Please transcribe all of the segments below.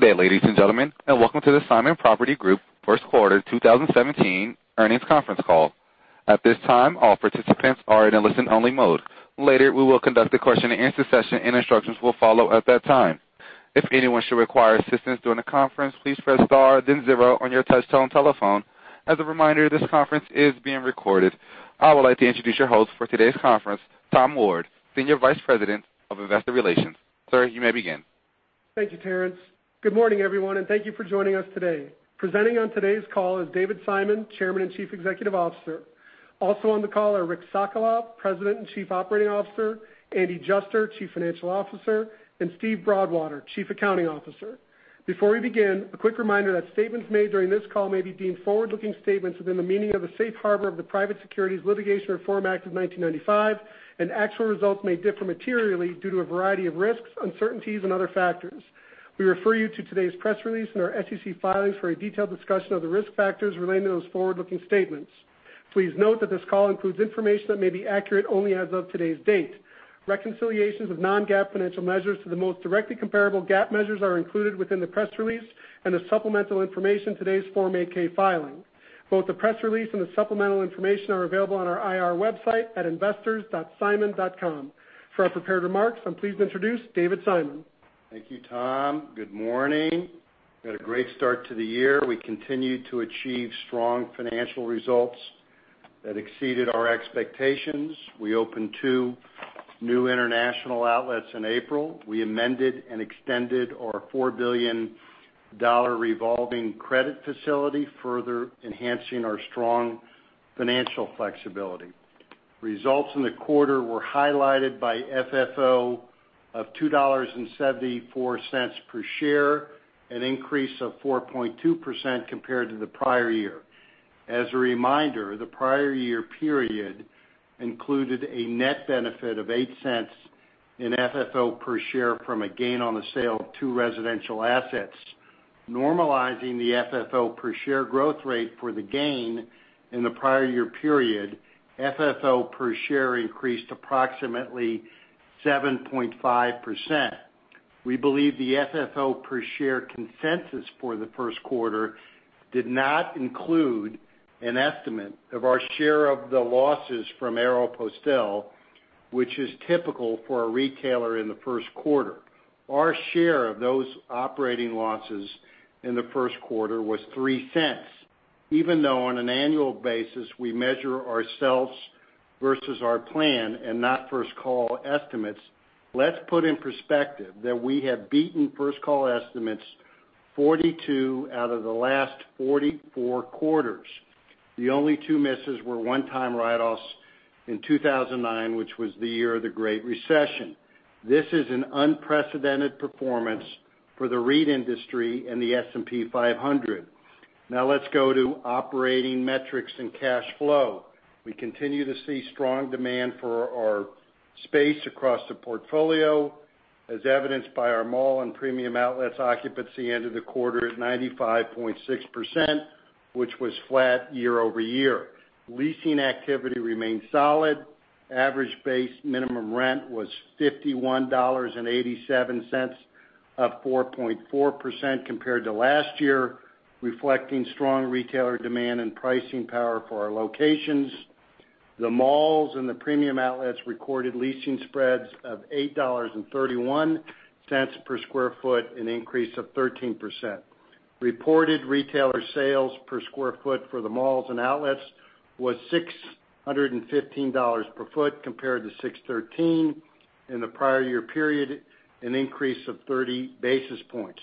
Good day, ladies and gentlemen, welcome to the Simon Property Group first quarter 2017 earnings conference call. At this time, all participants are in a listen only mode. Later, we will conduct a question and answer session, and instructions will follow at that time. If anyone should require assistance during the conference, please press star then zero on your touchtone telephone. As a reminder, this conference is being recorded. I would like to introduce your host for today's conference, Tom Ward, Senior Vice President of Investor Relations. Sir, you may begin. Thank you, Terrence. Good morning, everyone, and thank you for joining us today. Presenting on today's call is David Simon, Chairman and Chief Executive Officer. Also on the call are Richard Sokolov, President and Chief Operating Officer, Andrew Juster, Chief Financial Officer, and Steven Broadwater, Chief Accounting Officer. Before we begin, a quick reminder that statements made during this call may be deemed forward-looking statements within the meaning of the Safe Harbor of the Private Securities Litigation Reform Act of 1995, and actual results may differ materially due to a variety of risks, uncertainties, and other factors. We refer you to today's press release and our SEC filings for a detailed discussion of the risk factors relating to those forward-looking statements. Please note that this call includes information that may be accurate only as of today's date. Reconciliations of non-GAAP financial measures to the most directly comparable GAAP measures are included within the press release and the supplemental information today's Form 8-K filing. Both the press release and the supplemental information are available on our IR website at investors.simon.com. For our prepared remarks, I'm pleased to introduce David Simon. Thank you, Tom. Good morning. We had a great start to the year. We continued to achieve strong financial results that exceeded our expectations. We opened two new international outlets in April. We amended and extended our $4 billion revolving credit facility, further enhancing our strong financial flexibility. Results in the quarter were highlighted by FFO of $2.74 per share, an increase of 4.2% compared to the prior year. As a reminder, the prior year period included a net benefit of $0.08 in FFO per share from a gain on the sale of two residential assets. Normalizing the FFO per share growth rate for the gain in the prior year period, FFO per share increased approximately 7.5%. We believe the FFO per share consensus for the first quarter did not include an estimate of our share of the losses from Aéropostale, which is typical for a retailer in the first quarter. Our share of those operating losses in the first quarter was $0.03. Even though on an annual basis we measure ourselves versus our plan and not First Call estimates, let's put in perspective that we have beaten First Call estimates 42 out of the last 44 quarters. The only two misses were one-time write-offs in 2009, which was the year of the Great Recession. This is an unprecedented performance for the REIT industry and the S&P 500. Let's go to operating metrics and cash flow. We continue to see strong demand for our space across the portfolio, as evidenced by our mall and premium outlets occupancy end of the quarter at 95.6%, which was flat year-over-year. Leasing activity remained solid. Average base minimum rent was $51.87, up 4.4% compared to last year, reflecting strong retailer demand and pricing power for our locations. The malls and the premium outlets recorded leasing spreads of $8.31 per sq ft, an increase of 13%. Reported retailer sales per sq ft for the malls and outlets was $615 per foot, compared to $613 in the prior year period, an increase of 30 basis points.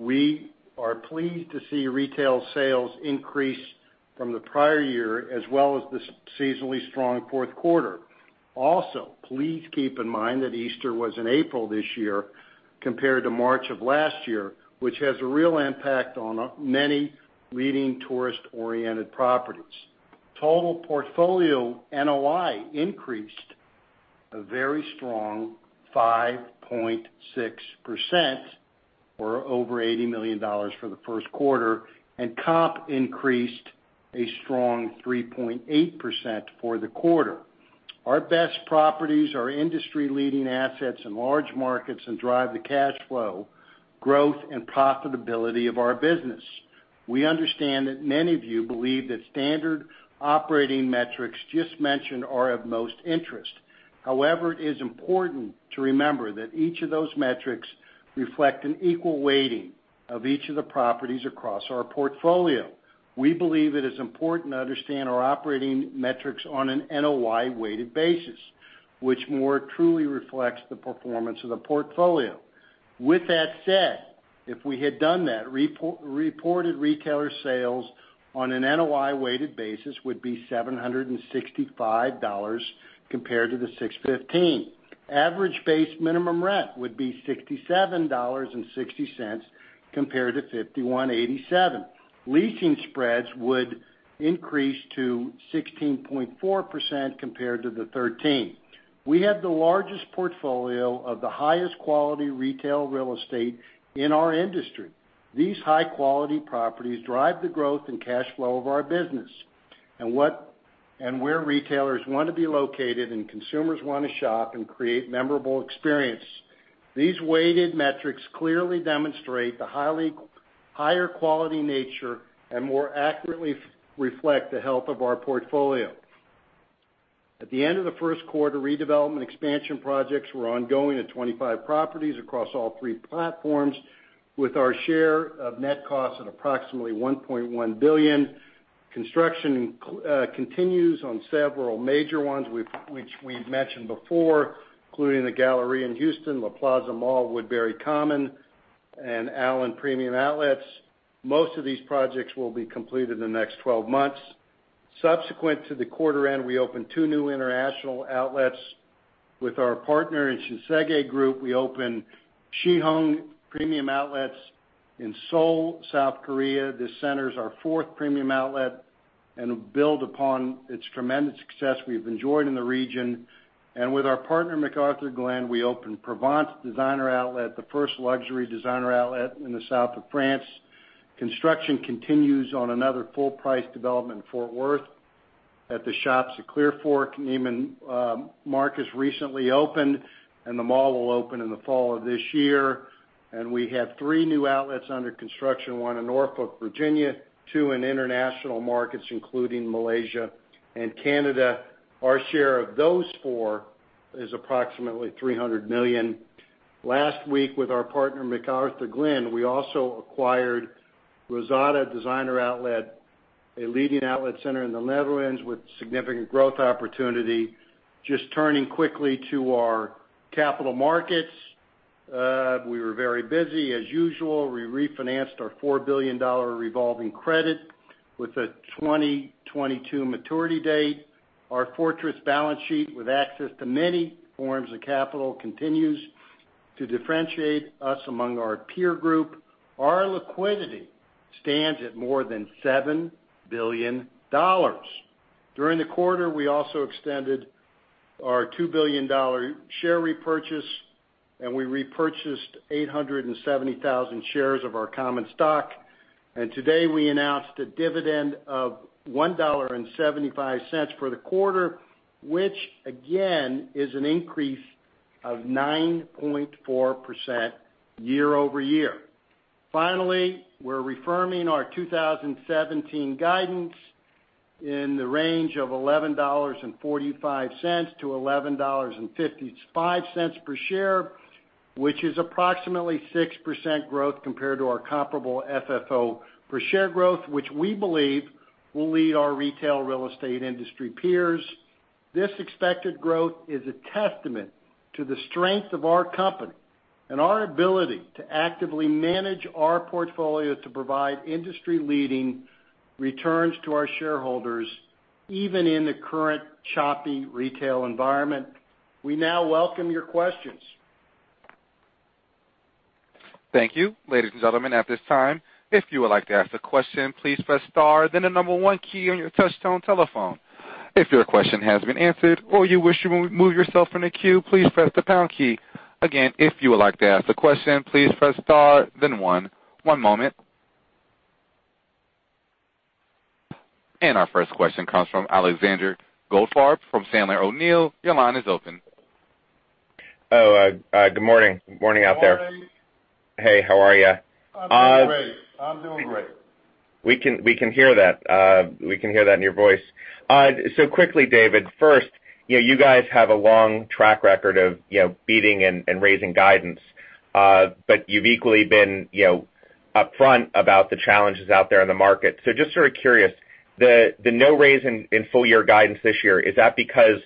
We are pleased to see retail sales increase from the prior year, as well as the seasonally strong fourth quarter. Please keep in mind that Easter was in April this year compared to March of last year, which has a real impact on many leading tourist-oriented properties. Total portfolio NOI increased a very strong 5.6%, or over $80 million for the first quarter. Comp increased a strong 3.8% for the quarter. Our best properties are industry leading assets in large markets and drive the cash flow, growth, and profitability of our business. We understand that many of you believe that standard operating metrics just mentioned are of most interest. It is important to remember that each of those metrics reflect an equal weighting of each of the properties across our portfolio. We believe it is important to understand our operating metrics on an NOI-weighted basis, which more truly reflects the performance of the portfolio. With that said, if we had done that, reported retailer sales on an NOI-weighted basis would be $765 compared to the $615. Average base minimum rent would be $57.60 compared to $51.87. Leasing spreads would increase to 16.4% compared to the 13%. We have the largest portfolio of the highest quality retail real estate in our industry. These high-quality properties drive the growth and cash flow of our business. Where retailers want to be located and consumers want to shop and create memorable experiences. These weighted metrics clearly demonstrate the higher quality nature and more accurately reflect the health of our portfolio. At the end of the first quarter, redevelopment expansion projects were ongoing at 25 properties across all three platforms, with our share of net cost at approximately $1.1 billion. Construction continues on several major ones, which we've mentioned before, including The Galleria in Houston, La Plaza Mall, Woodbury Common, and Allen Premium Outlets. Most of these projects will be completed in the next 12 months. Subsequent to the quarter end, we opened two new international outlets with our partner in Shinsegae Group. We opened Siheung Premium Outlets in Seoul, South Korea. This center is our fourth premium outlet and will build upon its tremendous success we've enjoyed in the region. With our partner, McArthurGlen, we opened Provence Designer Outlet, the first luxury designer outlet in the South of France. Construction continues on another full-price development in Fort Worth at the Shops at Clearfork. Neiman Marcus recently opened, and the mall will open in the fall of this year. We have three new outlets under construction, one in Norfolk, Virginia, two in international markets, including Malaysia and Canada. Our share of those four is approximately $300 million. Last week with our partner, McArthurGlen, we also acquired Rosada Designer Outlet, a leading outlet center in the Netherlands with significant growth opportunity. Just turning quickly to our capital markets. We were very busy as usual. We refinanced our $4 billion revolving credit with a 2022 maturity date. Our fortress balance sheet with access to many forms of capital continues to differentiate us among our peer group. Our liquidity stands at more than $7 billion. During the quarter, we also extended our $2 billion share repurchase, and we repurchased 870,000 shares of our common stock. Today, we announced a dividend of $1.75 for the quarter, which again, is an increase of 9.4% year-over-year. Finally, we're reaffirming our 2017 guidance in the range of $11.45 to $11.55 per share, which is approximately 6% growth compared to our comparable FFO per share growth, which we believe will lead our retail real estate industry peers. This expected growth is a testament to the strength of our company and our ability to actively manage our portfolio to provide industry-leading returns to our shareholders, even in the current choppy retail environment. We now welcome your questions. Thank you. Ladies and gentlemen, at this time, if you would like to ask a question, please press star then the number one key on your touchtone telephone. If your question has been answered or you wish to remove yourself from the queue, please press the pound key. Again, if you would like to ask a question, please press star then one. One moment. Our first question comes from Alexander Goldfarb from Sandler O'Neill. Your line is open. good morning. Good morning out there. Morning. Hey, how are you? I'm doing great. We can hear that. We can hear that in your voice. Quickly, David, first, you guys have a long track record of beating and raising guidance, but you've equally been upfront about the challenges out there in the market. Just sort of curious, the no raise in full year guidance this year, is that because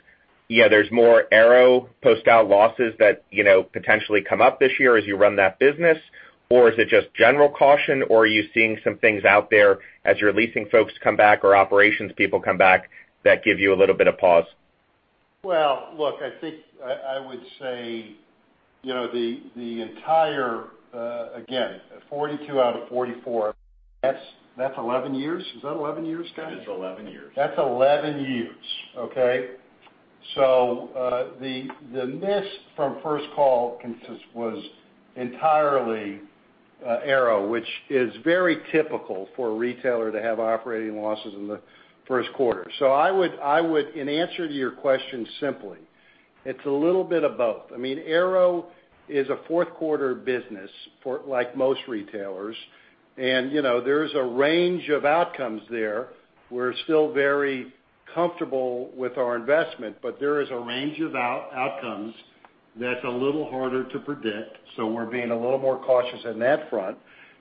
there's more Aéropostale losses that potentially come up this year as you run that business? Or is it just general caution? Or are you seeing some things out there as your leasing folks come back or operations people come back that give you a little bit of pause? Well, look, I think I would say the entire, again, 42 out of 44, that's 11 years. Is that 11 years, Scott? It's 11 years. That's 11 years. Okay. The miss from First Call was entirely Aéropostale, which is very typical for a retailer to have operating losses in the first quarter. I would, in answer to your question simply, it's a little bit of both. Aéropostale is a fourth quarter business for like most retailers, there's a range of outcomes there. We're still very comfortable with our investment, there is a range of outcomes that's a little harder to predict, we're being a little more cautious on that front.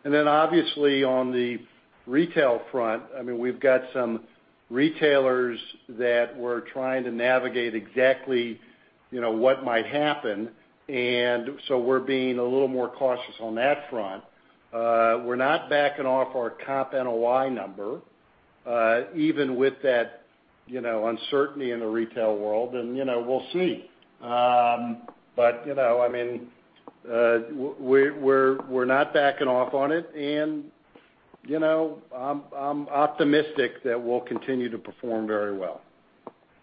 Obviously on the retail front, we've got some retailers that we're trying to navigate exactly what might happen, we're being a little more cautious on that front. We're not backing off our comp NOI number, even with that uncertainty in the retail world, we'll see. We're not backing off on it, I'm optimistic that we'll continue to perform very well.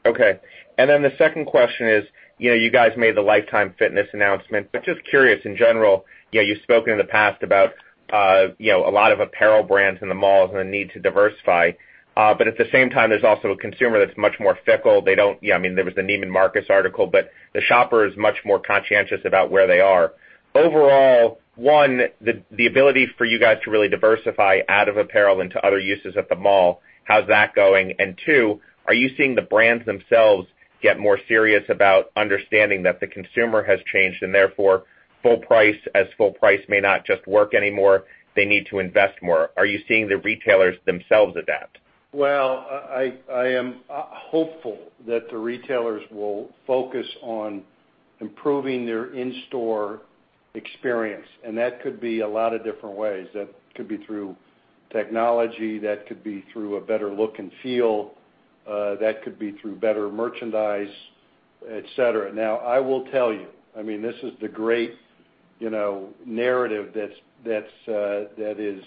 The second question is, you guys made the Life Time announcement, just curious in general, you've spoken in the past about a lot of apparel brands in the malls and the need to diversify. At the same time, there's also a consumer that's much more fickle. There was the Neiman Marcus article, but the shopper is much more conscientious about where they are. Overall, one, the ability for you guys to really diversify out of apparel into other uses at the mall, how's that going? Two, are you seeing the brands themselves get more serious about understanding that the consumer has changed, and therefore, full price as full price may not just work anymore, they need to invest more. Are you seeing the retailers themselves adapt? Well, I am hopeful that the retailers will focus on improving their in-store experience, and that could be a lot of different ways. That could be through technology, that could be through a better look and feel, that could be through better merchandise, et cetera. Now, I will tell you, this is the great narrative that is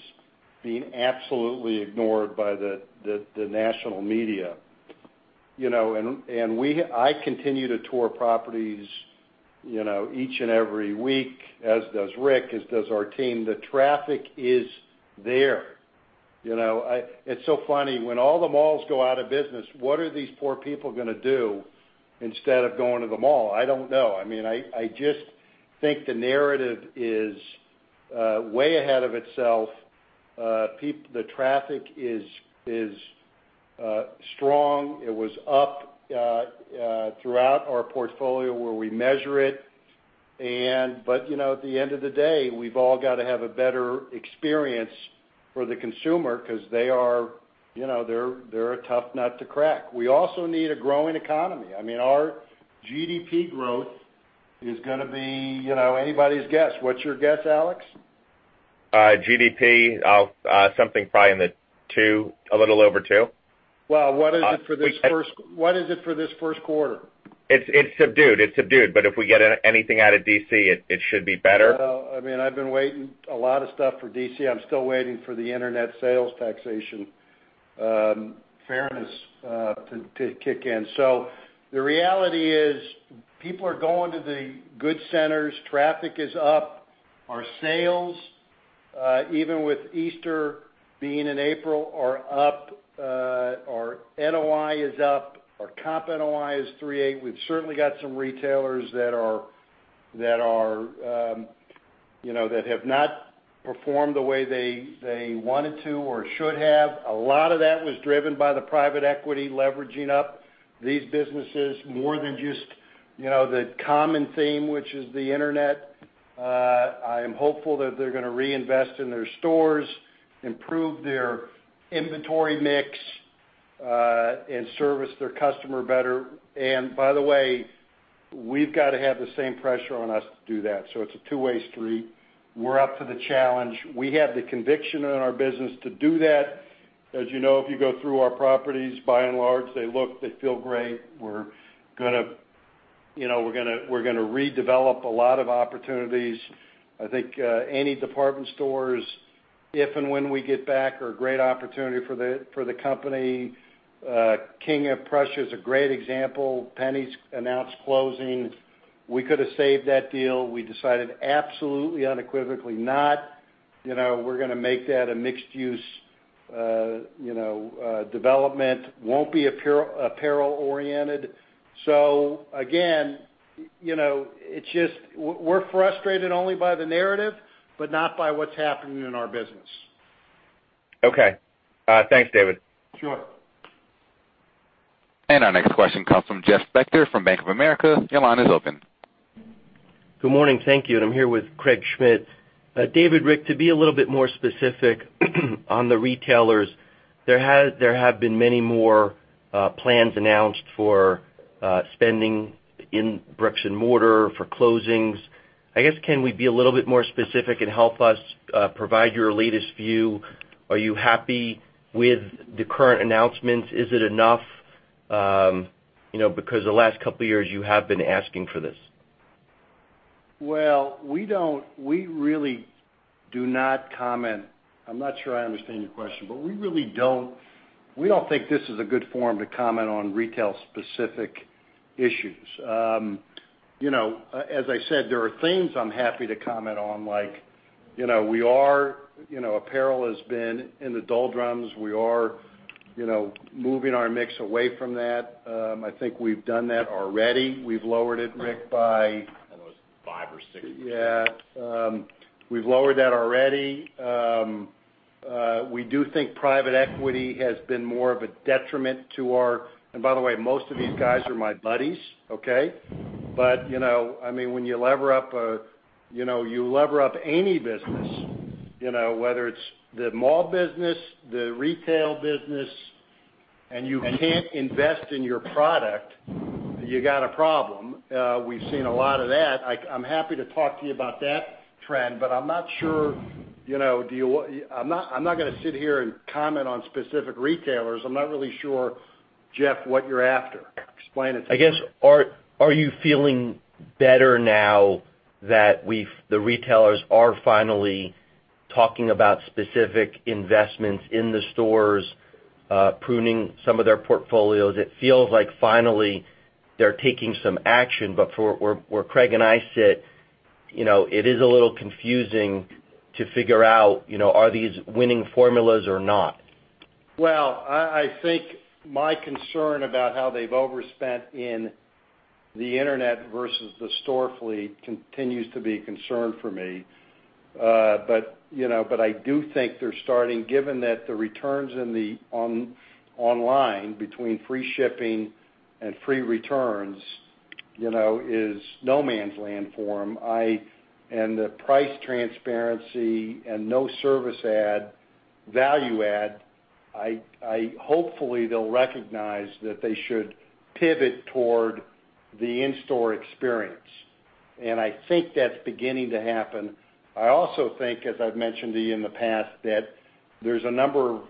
being absolutely ignored by the national media. I continue to tour properties each and every week, as does Rick, as does our team. The traffic is there. It's so funny. When all the malls go out of business, what are these poor people going to do instead of going to the mall? I don't know. I just think the narrative is way ahead of itself. The traffic is strong. It was up throughout our portfolio where we measure it. At the end of the day, we've all got to have a better experience for the consumer because they're a tough nut to crack. We also need a growing economy. Our GDP growth is going to be anybody's guess. What's your guess, Alex? GDP, something probably a little over two. Well, what is it for this first quarter? It's subdued. If we get anything out of D.C., it should be better. Well, I've been waiting a lot of stuff for D.C. I'm still waiting for the internet sales taxation fairness to kick in. The reality is, people are going to the good centers. Traffic is up. Our sales, even with Easter being in April, are up. Our NOI is up. Our comp NOI is 3.8. We've certainly got some retailers that have not performed the way they wanted to or should have. A lot of that was driven by the private equity leveraging up these businesses more than just the common theme, which is the internet. I am hopeful that they're going to reinvest in their stores, improve their inventory mix, and service their customer better. By the way, we've got to have the same pressure on us to do that. It's a two-way street. We're up to the challenge. We have the conviction in our business to do that. As you know, if you go through our properties, by and large, they look, they feel great. We're going to redevelop a lot of opportunities. I think any department stores, if and when we get back, are a great opportunity for the company. King of Prussia is a great example. Penney's announced closing. We could have saved that deal. We decided absolutely unequivocally not. We're going to make that a mixed-use development. Won't be apparel oriented. Again, we're frustrated only by the narrative, but not by what's happening in our business. Okay. Thanks, David. Sure. Our next question comes from Jeffrey Spector from Bank of America. Your line is open. Good morning. Thank you. I'm here with Craig Schmidt. David, Rick, to be a little bit more specific on the retailers, there have been many more plans announced for spending in bricks and mortar for closings. I guess, can we be a little bit more specific and help us provide your latest view? Are you happy with the current announcements? Is it enough? Because the last couple of years, you have been asking for this. Well, we really do not comment. I'm not sure I understand your question, we don't think this is a good forum to comment on retail specific issues. As I said, there are themes I'm happy to comment on, like apparel has been in the doldrums. We are moving our mix away from that. I think we've done that already. We've lowered it, Rick, by I think it was five or six. Yeah. We've lowered that already. We do think private equity has been more of a detriment to our, and by the way, most of these guys are my buddies, okay? When you lever up any business, whether it's the mall business, the retail business, and you can't invest in your product, you got a problem. We've seen a lot of that. I'm happy to talk to you about that trend, but I'm not going to sit here and comment on specific retailers. I'm not really sure, Jeff, what you're after. Explain it to me. I guess, are you feeling better now that the retailers are finally talking about specific investments in the stores, pruning some of their portfolios. It feels like finally they're taking some action, Where Craig and I sit, it is a little confusing to figure out, are these winning formulas or not? Well, I think my concern about how they've overspent in the internet versus the store fleet continues to be a concern for me. I do think they're starting, given that the returns in the online, between free shipping and free returns, is no man's land for them. The price transparency and no service add, value add, hopefully they'll recognize that they should pivot toward the in-store experience. I think that's beginning to happen. I also think, as I've mentioned to you in the past, that there's a number of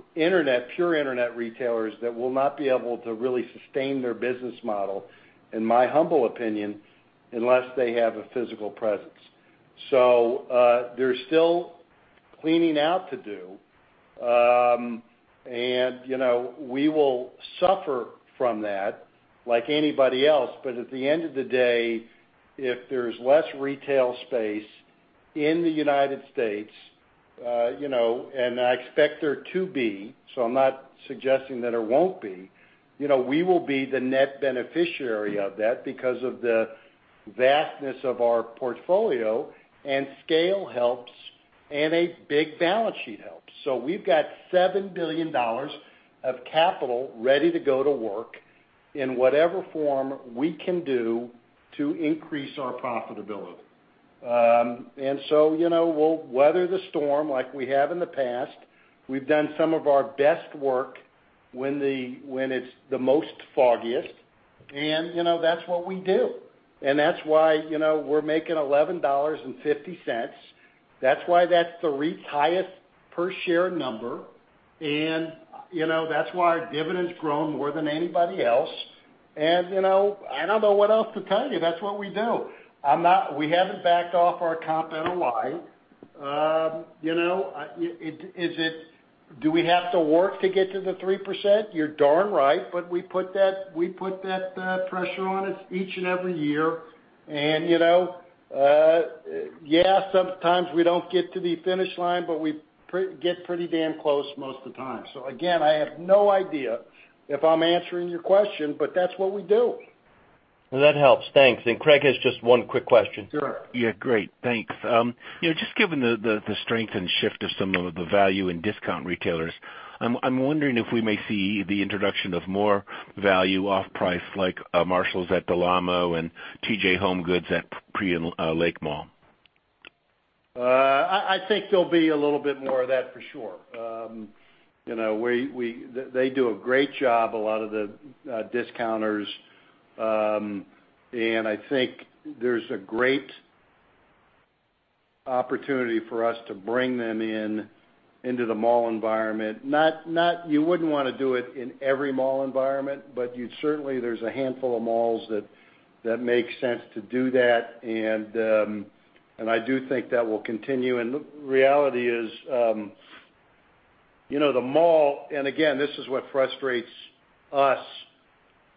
pure internet retailers that will not be able to really sustain their business model, in my humble opinion, unless they have a physical presence. There's still cleaning out to do. We will suffer from that like anybody else. At the end of the day, if there's less retail space in the U.S., I expect there to be, so I'm not suggesting that there won't be, we will be the net beneficiary of that because of the vastness of our portfolio. Scale helps, and a big balance sheet helps. We've got $7 billion of capital ready to go to work in whatever form we can do to increase our profitability. We'll weather the storm like we have in the past. We've done some of our best work when it's the foggiest, and that's what we do. That's why we're making $11.50. That's why that's the REIT's highest per share number, and that's why our dividend's grown more than anybody else. I don't know what else to tell you. That's what we do. We haven't backed off our comp NOI. Do we have to work to get to the 3%? You're darn right, we put that pressure on us each and every year. Yeah, sometimes we don't get to the finish line, but we get pretty damn close most of the time. Again, I have no idea if I'm answering your question, that's what we do. That helps. Thanks. Craig has just one quick question. Sure. Great. Thanks. Just given the strength and shift of some of the value in discount retailers, I'm wondering if we may see the introduction of more value off-price like Marshalls at Del Amo and HomeGoods at Lake Mall. I think there'll be a little bit more of that, for sure. They do a great job, a lot of the discounters. I think there's a great opportunity for us to bring them into the mall environment. You wouldn't want to do it in every mall environment, but certainly there's a handful of malls that make sense to do that, and I do think that will continue. The reality is, the mall, and again, this is what frustrates us,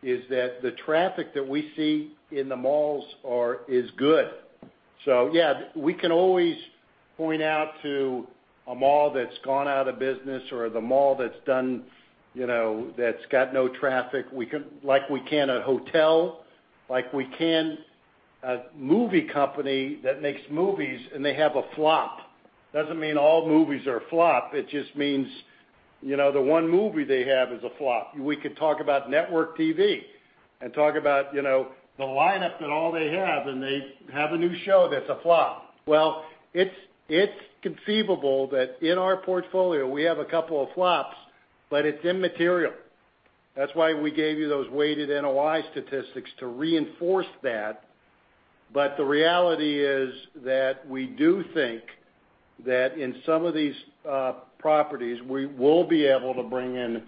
is that the traffic that we see in the malls is good. Yeah, we can always point out to a mall that's gone out of business or the mall that's got no traffic. Like we can a hotel, like we can a movie company that makes movies and they have a flop. Doesn't mean all movies are a flop, it just means the one movie they have is a flop. We could talk about network TV and talk about the lineup that all they have, and they have a new show that's a flop. It's conceivable that in our portfolio, we have a couple of flops, but it's immaterial. That's why we gave you those weighted NOI statistics to reinforce that. The reality is that we do think that in some of these properties, we will be able to bring in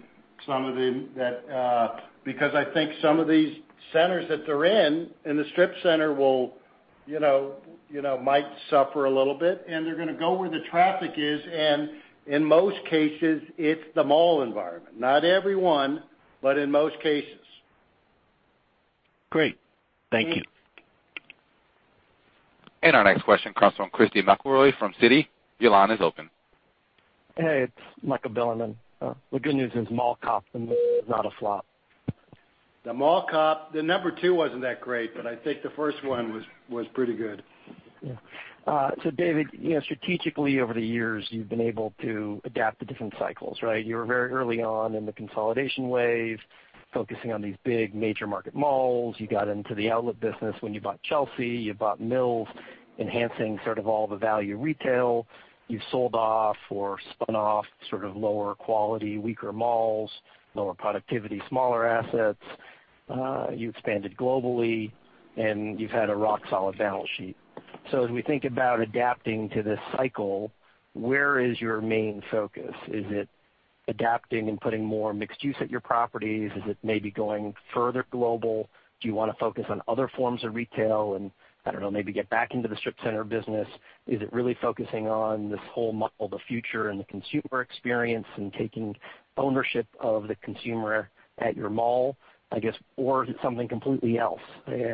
some of the because I think some of these centers that they're in the strip center might suffer a little bit, and they're going to go where the traffic is, and in most cases, it's the mall environment. Not every one, but in most cases. Great. Thank you. Our next question comes from Christy McElroy from Citi. Your line is open. Hey, it's Michael Bilerman. The good news is "Mall Cop" the movie is not a flop. The "Mall Cop," the number two wasn't that great, but I think the first one was pretty good. Yeah. David, strategically over the years, you've been able to adapt to different cycles, right? You were very early on in the consolidation wave, focusing on these big major market malls. You got into the outlet business when you bought Chelsea. You bought Mills, enhancing sort of all the value retail. You sold off or spun off sort of lower quality, weaker malls, lower productivity, smaller assets. You expanded globally, and you've had a rock solid balance sheet. As we think about adapting to this cycle, where is your main focus? Is it adapting and putting more mixed use at your properties, is it maybe going further global? Do you want to focus on other forms of retail and, I don't know, maybe get back into the strip center business? Is it really focusing on this whole model, the future and the consumer experience and taking ownership of the consumer at your mall? I guess, or is it something completely else?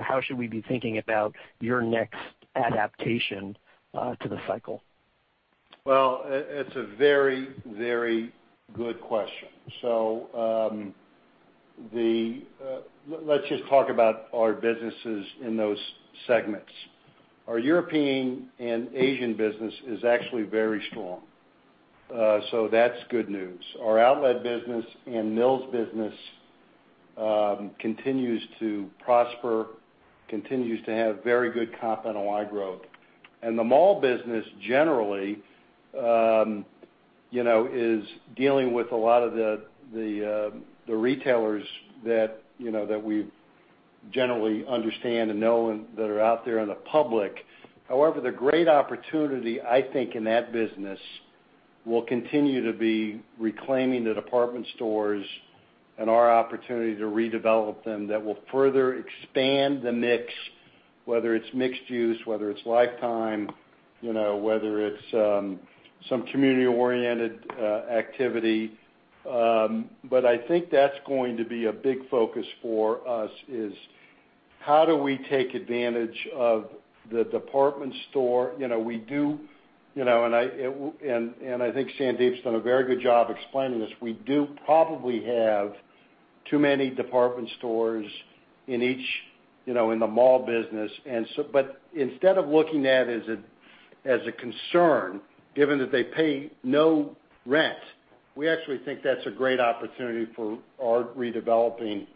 How should we be thinking about your next adaptation to the cycle? It's a very good question. Let's just talk about our businesses in those segments. Our European and Asian business is actually very strong. That's good news. Our outlet business and Mills business continues to prosper, continues to have very good comp NOI growth. The mall business generally is dealing with a lot of the retailers that we generally understand and know and that are out there in the public. However, the great opportunity, I think, in that business will continue to be reclaiming the department stores and our opportunity to redevelop them that will further expand the mix, whether it's mixed use, whether it's Life Time, whether it's some community-oriented activity. I think that's going to be a big focus for us is how do we take advantage of the department store. I think Sandeep's done a very good job explaining this. We do probably have too many department stores in the mall business. Instead of looking at it as a concern, given that they pay no rent, we actually think that's a great opportunity for our redeveloping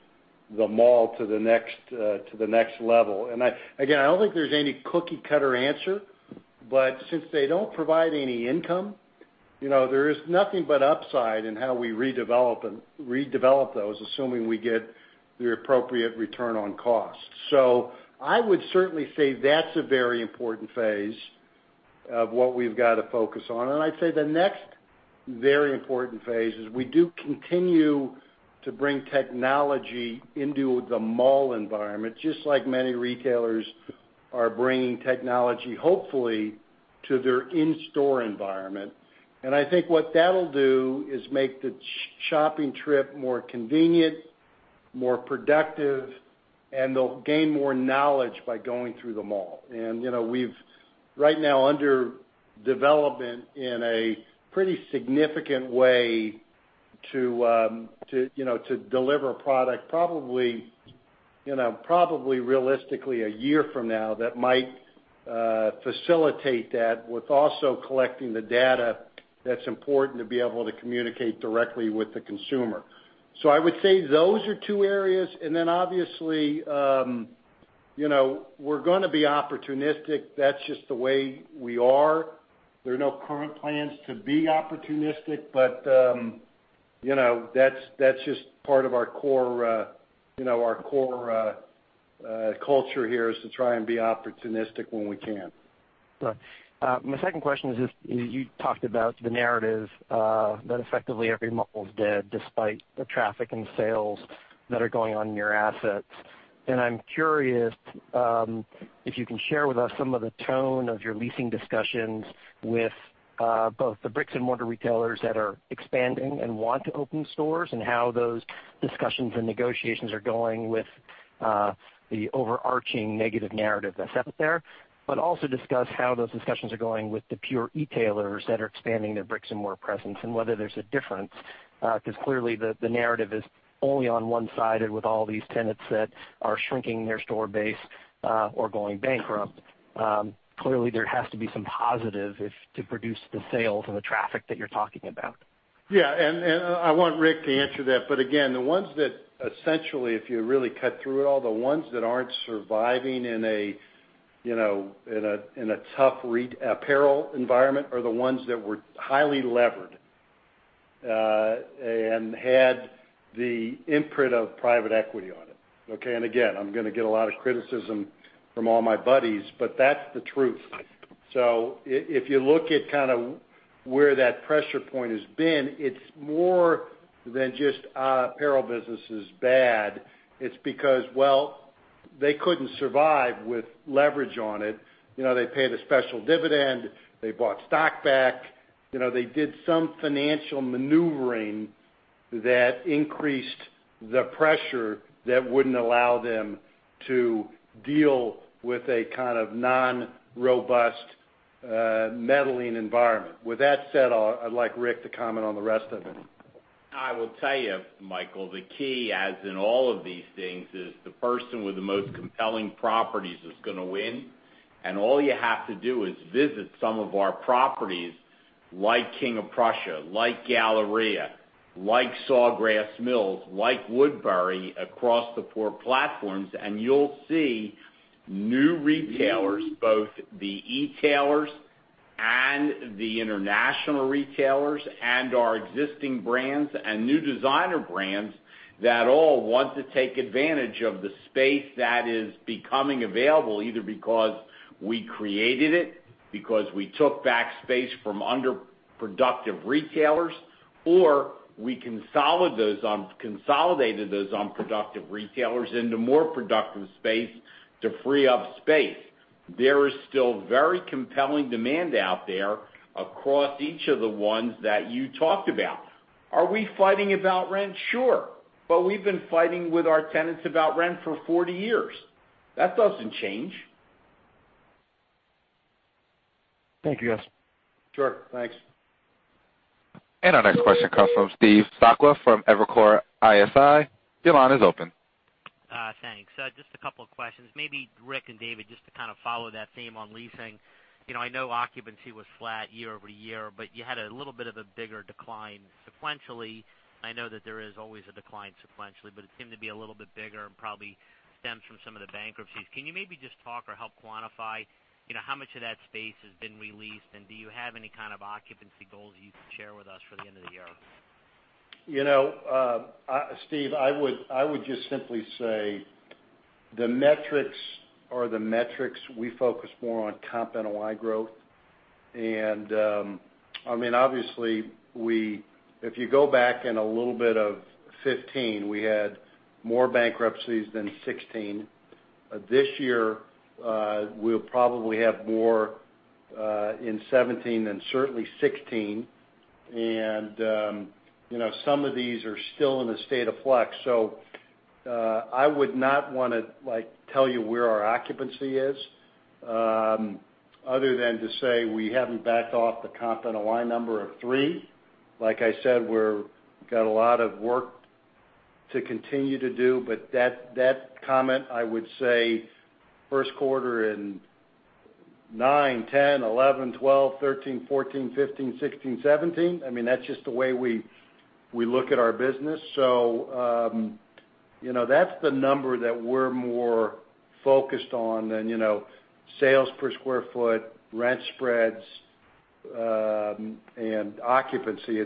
the mall to the next level. Again, I don't think there's any cookie cutter answer, but since they don't provide any income, there is nothing but upside in how we redevelop those, assuming we get the appropriate return on cost. I would certainly say that's a very important phase of what we've got to focus on. I'd say the next very important phase is we do continue to bring technology into the mall environment, just like many retailers are bringing technology, hopefully, to their in-store environment. I think what that'll do is make the shopping trip more convenient, more productive, and they'll gain more knowledge by going through the mall. We've right now under development in a pretty significant way to deliver product probably realistically a year from now that might facilitate that with also collecting the data that's important to be able to communicate directly with the consumer. I would say those are two areas, then obviously, we're going to be opportunistic. That's just the way we are. There are no current plans to be opportunistic, that's just part of our core culture here is to try and be opportunistic when we can. Sure. My second question is just, you talked about the narrative that effectively every mall is dead despite the traffic and sales that are going on in your assets. I'm curious if you can share with us some of the tone of your leasing discussions with both the bricks and mortar retailers that are expanding and want to open stores, and how those discussions and negotiations are going with the overarching negative narrative that's out there. Also discuss how those discussions are going with the pure e-tailers that are expanding their bricks and mortar presence, and whether there's a difference, because clearly the narrative is only on one-sided with all these tenants that are shrinking their store base or going bankrupt. Clearly, there has to be some positive to produce the sales and the traffic that you're talking about. Yeah, I want Rick to answer that. Again, the ones that essentially, if you really cut through it all, the ones that aren't surviving in a tough apparel environment are the ones that were highly levered and had the imprint of private equity on it. Okay, again, I'm going to get a lot of criticism from all my buddies, that's the truth. Right. If you look at kind of where that pressure point has been, it's more than just apparel business is bad. It's because, well, they couldn't survive with leverage on it. They paid a special dividend. They bought stock back. They did some financial maneuvering that increased the pressure that wouldn't allow them to deal with a kind of non-robust muddling environment. With that said, I'd like Rick to comment on the rest of it. I will tell you, Michael, the key, as in all of these things, is the person with the most compelling properties is going to win. All you have to do is visit some of our properties like King of Prussia, like The Galleria, like Sawgrass Mills, like Woodbury, across the four platforms, and you'll see new retailers, both the e-tailers and the international retailers and our existing brands and new designer brands- All want to take advantage of the space that is becoming available, either because we created it, because we took back space from underproductive retailers, or we consolidated those unproductive retailers into more productive space to free up space. There is still very compelling demand out there across each of the ones that you talked about. Are we fighting about rent? Sure. We've been fighting with our tenants about rent for 40 years. That doesn't change. Thank you, guys. Sure. Thanks. Our next question comes from Steve Sakwa from Evercore ISI. Your line is open. Thanks. Just a couple of questions. Maybe Rick and David, just to kind of follow that theme on leasing. I know occupancy was flat year-over-year, but you had a little bit of a bigger decline sequentially. I know that there is always a decline sequentially, but it seemed to be a little bit bigger and probably stems from some of the bankruptcies. Can you maybe just talk or help quantify, how much of that space has been re-leased, and do you have any kind of occupancy goals that you can share with us for the end of the year? Steve, I would just simply say the metrics are the metrics. We focus more on comp NOI growth. Obviously, if you go back in a little bit of 2015, we had more bankruptcies than 2016. This year, we'll probably have more in 2017 than certainly 2016. Some of these are still in a state of flux. I would not want to tell you where our occupancy is, other than to say we haven't backed off the comp NOI number of 3%. Like I said, we're got a lot of work to continue to do. That comment, I would say first quarter in 2009, 2010, 2011, 2012, 2013, 2014, 2015, 2016, 2017. That's just the way we look at our business. That's the number that we're more focused on than sales per square foot, rent spreads, and occupancy.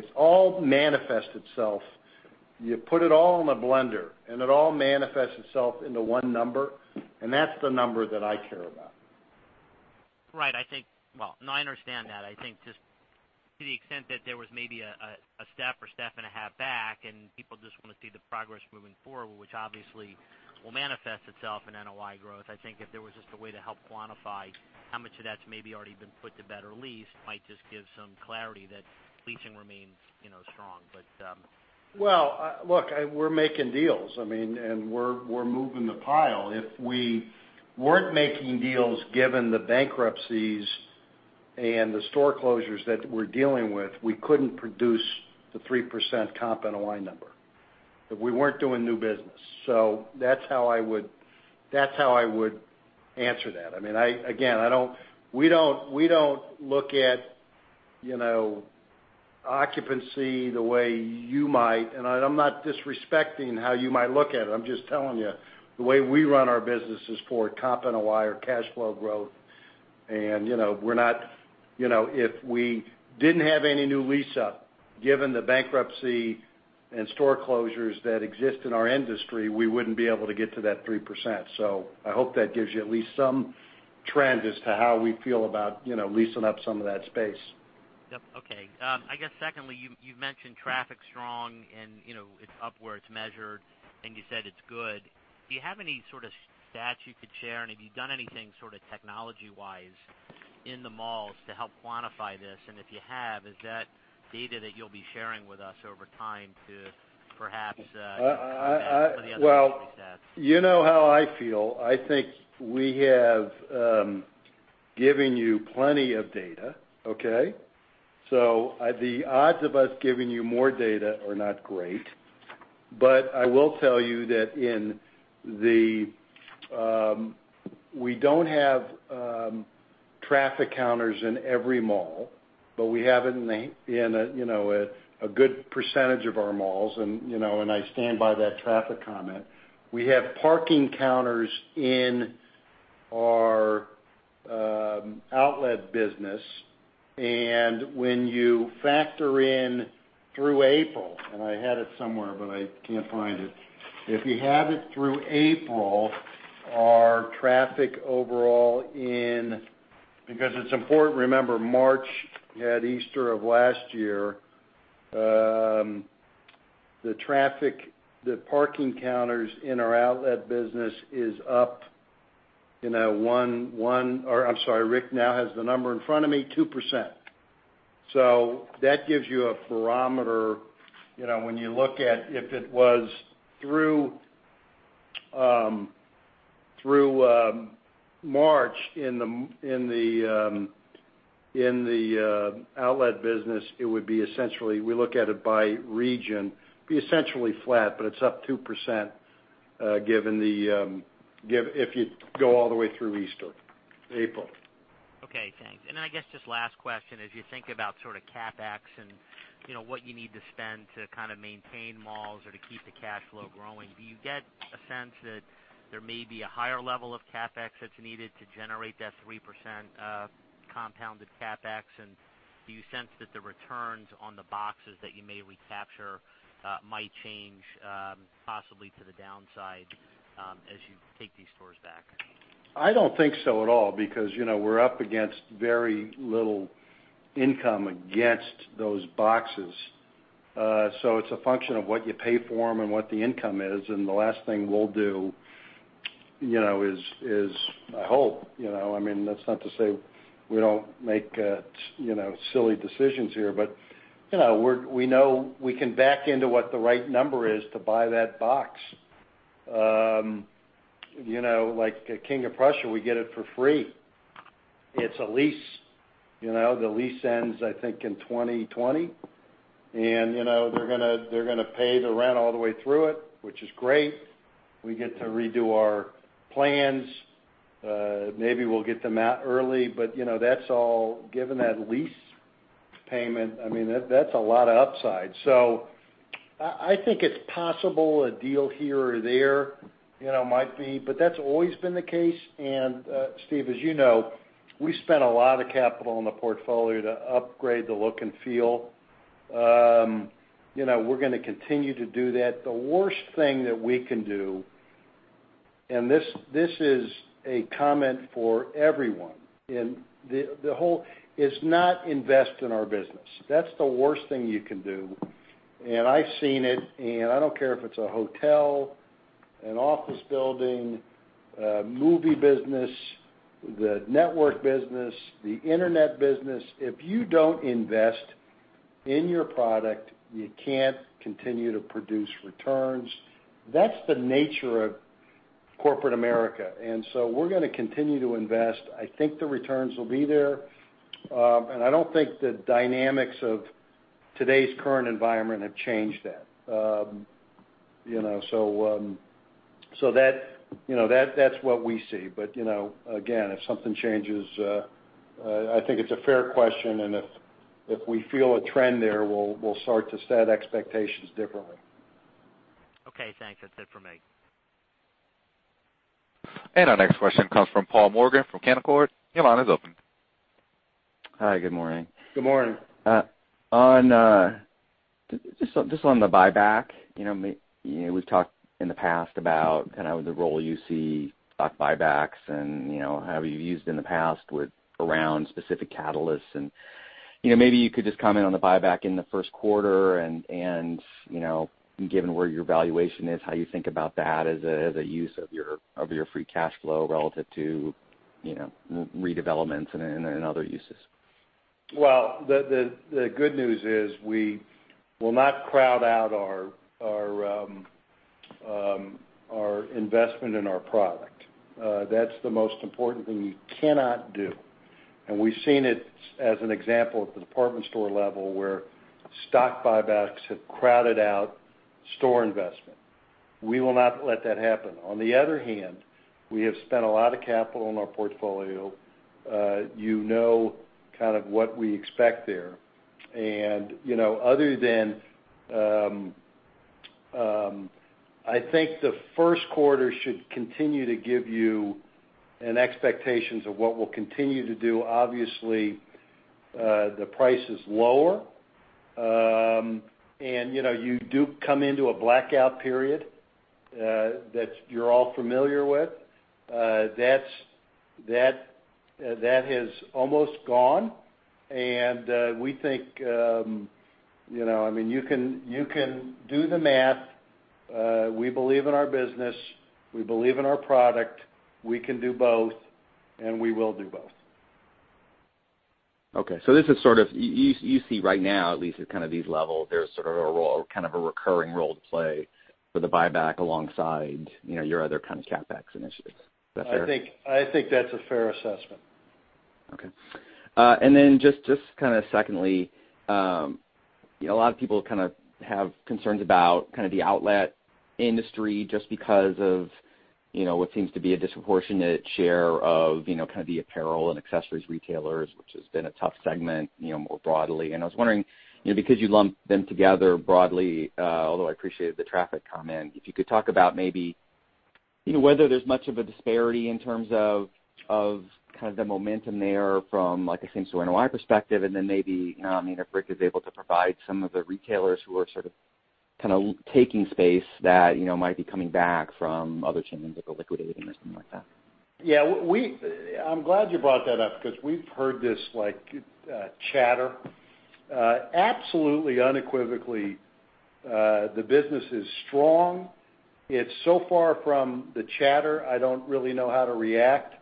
You put it all in a blender, and it all manifests itself into one number, and that's the number that I care about. Right. No, I understand that. I think just to the extent that there was maybe a step or step and a half back, and people just want to see the progress moving forward, which obviously will manifest itself in NOI growth. I think if there was just a way to help quantify how much of that's maybe already been put to better lease, might just give some clarity that leasing remains strong. Well, look, we're making deals. We're moving the pile. If we weren't making deals given the bankruptcies and the store closures that we're dealing with, we couldn't produce the 3% comp NOI number, if we weren't doing new business. That's how I would answer that. Again, we don't look at occupancy the way you might, and I'm not disrespecting how you might look at it. I'm just telling you, the way we run our business is for comp NOI or cash flow growth. If we didn't have any new lease up, given the bankruptcy and store closures that exist in our industry, we wouldn't be able to get to that 3%. I hope that gives you at least some trend as to how we feel about leasing up some of that space. Yep. Okay. I guess secondly, you've mentioned traffic's strong and it's up where it's measured, and you said it's good. Do you have any sort of stats you could share? Have you done anything sort of technology-wise in the malls to help quantify this? If you have, is that data that you'll be sharing with us over time to perhaps combat some of the other stats? You know how I feel. I think we have given you plenty of data, okay? The odds of us giving you more data are not great. I will tell you that we don't have traffic counters in every mall, but we have it in a good percentage of our malls, and I stand by that traffic comment. We have parking counters in our outlet business, when you factor in through April, I had it somewhere, but I can't find it. If you had it through April, our traffic overall in because it's important, remember, March, you had Easter of last year. The parking counters in our outlet business is up or I'm sorry, Rick now has the number in front of me, 2%. That gives you a barometer, when you look at if it was through March in the outlet business, we look at it by region. It's essentially flat, but it's up 2% if you go all the way through Easter, April. Okay, thanks. I guess just last question, as you think about sort of CapEx and what you need to spend to kind of maintain malls or to keep the cash flow growing, do you get a sense that there may be a higher level of CapEx that's needed to generate that 3% compounded CapEx, do you sense that the returns on the boxes that you may recapture might change, possibly to the downside, as you take these stores back? I don't think so at all because we're up against very little income against those boxes. It's a function of what you pay for them and what the income is. The last thing we'll do is, I hope, that's not to say we don't make silly decisions here, but we know we can back into what the right number is to buy that box. Like at King of Prussia, we get it for free. It's a lease. The lease ends, I think, in 2020. They're going to pay the rent all the way through it, which is great. We get to redo our plans. Maybe we'll get them out early, but that's all given that lease payment. That's a lot of upside. I think it's possible a deal here or there might be, but that's always been the case. Steve, as you know, we spent a lot of capital in the portfolio to upgrade the look and feel. We're going to continue to do that. The worst thing that we can do, and this is a comment for everyone, is not invest in our business. That's the worst thing you can do. I've seen it, and I don't care if it's a hotel, an office building, a movie business, the network business, the internet business. If you don't invest in your product, you can't continue to produce returns. That's the nature of corporate America. We're going to continue to invest. I think the returns will be there. I don't think the dynamics of today's current environment have changed that. That's what we see. Again, if something changes, I think it's a fair question, and if we feel a trend there, we'll start to set expectations differently. Okay, thanks. That's it from me. Our next question comes from Paul Morgan from Canaccord. Your line is open. Hi, good morning. Good morning. Just on the buyback, we've talked in the past about kind of the role you see stock buybacks and how you've used in the past with around specific catalysts. Maybe you could just comment on the buyback in the first quarter and, given where your valuation is, how you think about that as a use of your free cash flow relative to redevelopments and other uses. The good news is we will not crowd out our investment in our product. That's the most important thing you cannot do. We've seen it as an example at the department store level, where stock buybacks have crowded out store investment. We will not let that happen. On the other hand, we have spent a lot of capital in our portfolio. You know kind of what we expect there. Other than, I think the Q1 should continue to give you expectations of what we'll continue to do. Obviously, the price is lower. You do come into a blackout period, that you're all familiar with. That has almost gone, and we think you can do the math. We believe in our business. We believe in our product. We can do both, and we will do both. This is sort of, you see right now, at least at kind of these levels, there's sort of a role, kind of a recurring role to play for the buyback alongside your other kind of CapEx initiatives. Is that fair? I think that's a fair assessment. Okay. Then just kind of secondly, a lot of people kind of have concerns about kind of the outlet industry just because of what seems to be a disproportionate share of kind of the apparel and accessories retailers, which has been a tough segment more broadly. I was wondering, because you lump them together broadly, although I appreciated the traffic comment, if you could talk about maybe whether there's much of a disparity in terms of kind of the momentum there from, like, a same-store NOI perspective, and then maybe if Rick is able to provide some of the retailers who are sort of, kind of taking space that might be coming back from other chains that go liquidating or something like that. I'm glad you brought that up because we've heard this chatter. Absolutely, unequivocally, the business is strong. It's so far from the chatter, I don't really know how to react,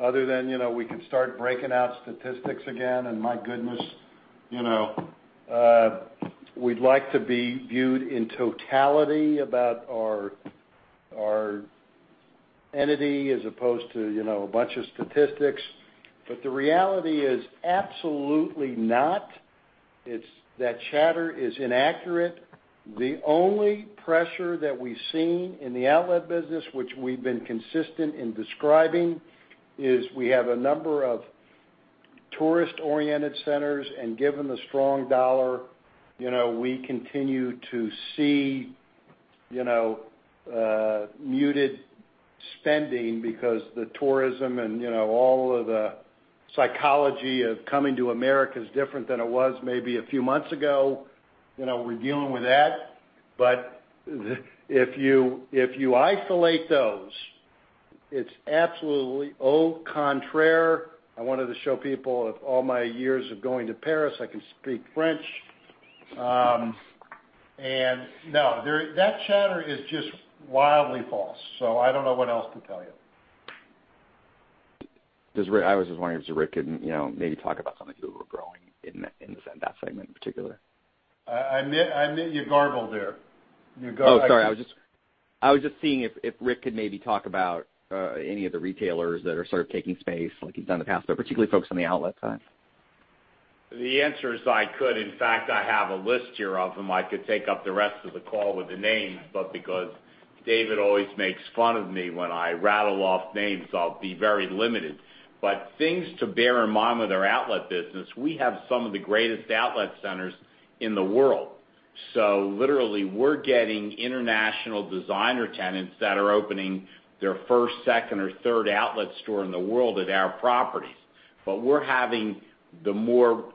other than we can start breaking out statistics again, and my goodness, we'd like to be viewed in totality about our entity as opposed to a bunch of statistics. The reality is absolutely not. That chatter is inaccurate. The only pressure that we've seen in the outlet business, which we've been consistent in describing, is we have a number of Tourist-oriented centers, and given the strong dollar, we continue to see muted spending because the tourism and all of the psychology of coming to America is different than it was maybe a few months ago. We're dealing with that. If you isolate those, it's absolutely au contraire. I wanted to show people of all my years of going to Paris, I can speak French. No, that chatter is just wildly false, I don't know what else to tell you. I was just wondering if Rick can maybe talk about some of the people who are growing in that segment in particular. I admit you garbled there. Sorry. I was just seeing if Rick could maybe talk about any of the retailers that are sort of taking space like he's done in the past, but particularly focused on the outlet side. The answer is I could. In fact, I have a list here of them. I could take up the rest of the call with the names, because David always makes fun of me when I rattle off names, I'll be very limited. Things to bear in mind with our outlet business, we have some of the greatest outlet centers in the world. Literally, we're getting international designer tenants that are opening their first, second, or third outlet store in the world at our properties. We're having the more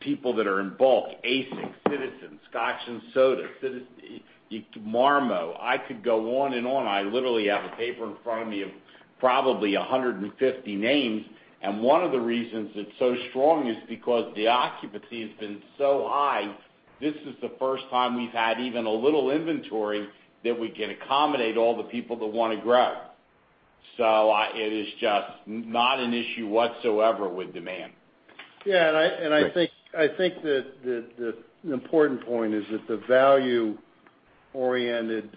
people that are in bulk, ASICS, Citizen, Scotch & Soda, Marmot. I could go on and on. I literally have a paper in front of me of probably 150 names, and one of the reasons it's so strong is because the occupancy has been so high. This is the first time we've had even a little inventory that we can accommodate all the people that want to grow. It is just not an issue whatsoever with demand. I think that the important point is that the value-oriented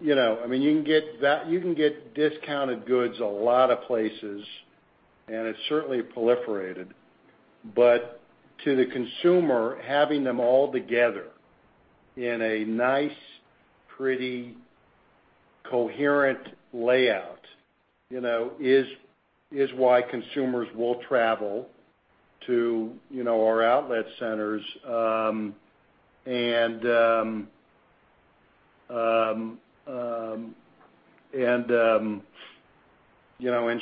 You can get discounted goods a lot of places, and it's certainly proliferated. To the consumer, having them all together in a nice, pretty, coherent layout, is why consumers will travel to our outlet centers and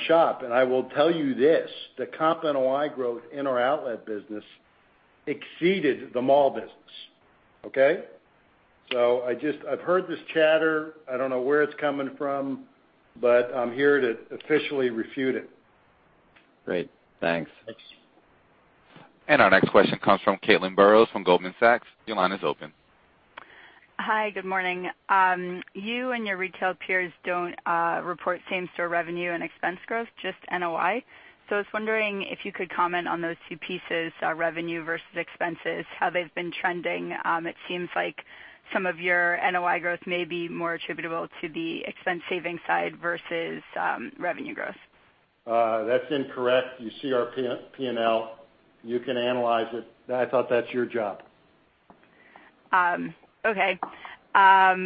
shop. I will tell you this, the comp NOI growth in our outlet business exceeded the mall business. Okay? I've heard this chatter. I don't know where it's coming from, I'm here to officially refute it. Great, thanks. Thanks. Our next question comes from Caitlin Burrows from Goldman Sachs. Your line is open. Hi, good morning. You and your retail peers don't report same-store revenue and expense growth, just NOI. I was wondering if you could comment on those two pieces, revenue versus expenses, how they've been trending. It seems like some of your NOI growth may be more attributable to the expense saving side versus revenue growth. That's incorrect. You see our P&L. You can analyze it. I thought that's your job. Okay. On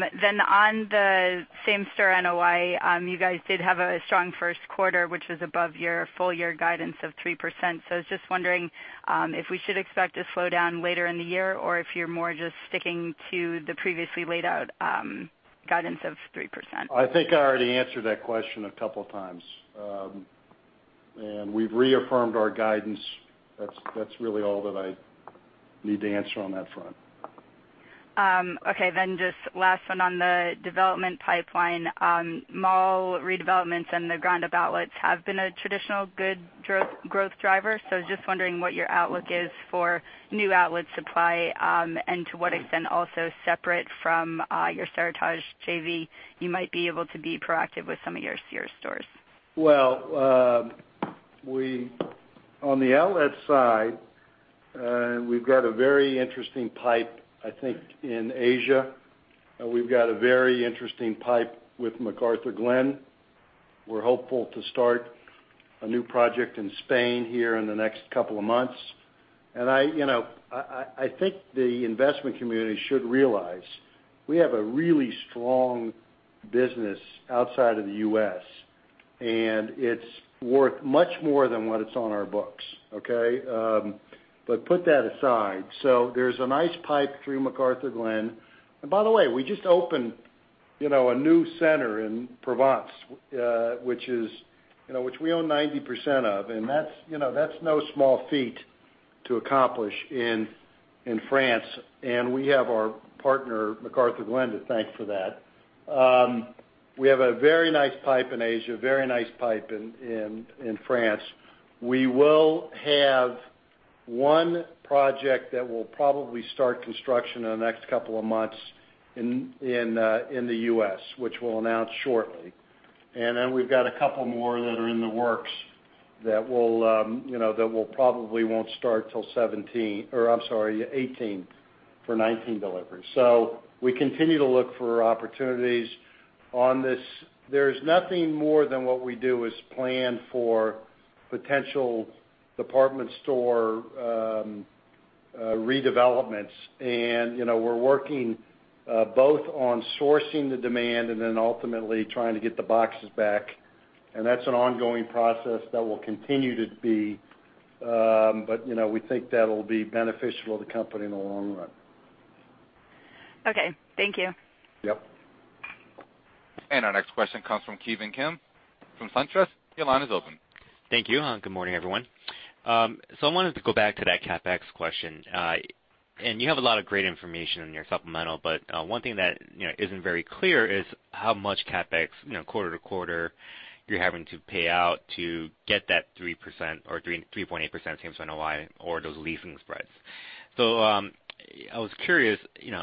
the same store NOI, you guys did have a strong first quarter, which was above your full year guidance of 3%. I was just wondering if we should expect a slowdown later in the year, or if you're more just sticking to the previously laid out guidance of 3%. I think I already answered that question a couple of times. We've reaffirmed our guidance. That's really all that I need to answer on that front. Okay, just last one on the development pipeline. Mall redevelopments and the ground-up outlets have been a traditional good growth driver. I was just wondering what your outlook is for new outlet supply, and to what extent, also separate from your Seritage JV, you might be able to be proactive with some of your Sears stores. Well, on the outlet side, we've got a very interesting pipe, I think, in Asia. We've got a very interesting pipe with McArthurGlen. We're hopeful to start a new project in Spain here in the next couple of months. I think the investment community should realize, we have a really strong business outside of the U.S., and it's worth much more than what is on our books. Okay? Put that aside. There's a nice pipe through McArthurGlen. By the way, we just opened a new center in Provence, which we own 90% of, and that's no small feat to accomplish in France. We have our partner, McArthurGlen, to thank for that. We have a very nice pipe in Asia, very nice pipe in France. We will have one project that will probably start construction in the next couple of months in the U.S., which we'll announce shortly. We've got a couple more that are in the works that probably won't start till 2017. I'm sorry, 2018 for 2019 delivery. We continue to look for opportunities on this. There's nothing more than what we do is plan for potential department store redevelopments. We're working both on sourcing the demand and ultimately trying to get the boxes back. That's an ongoing process that will continue to be, but we think that'll be beneficial to the company in the long run. Okay. Thank you. Yep. Our next question comes from Kevin Kim from SunTrust. Your line is open. Thank you. Good morning, everyone. I wanted to go back to that CapEx question. You have a lot of great information in your supplemental, but one thing that isn't very clear is how much CapEx, quarter to quarter you're having to pay out to get that 3% or 3.8% same store NOI or those leasing spreads. I was curious,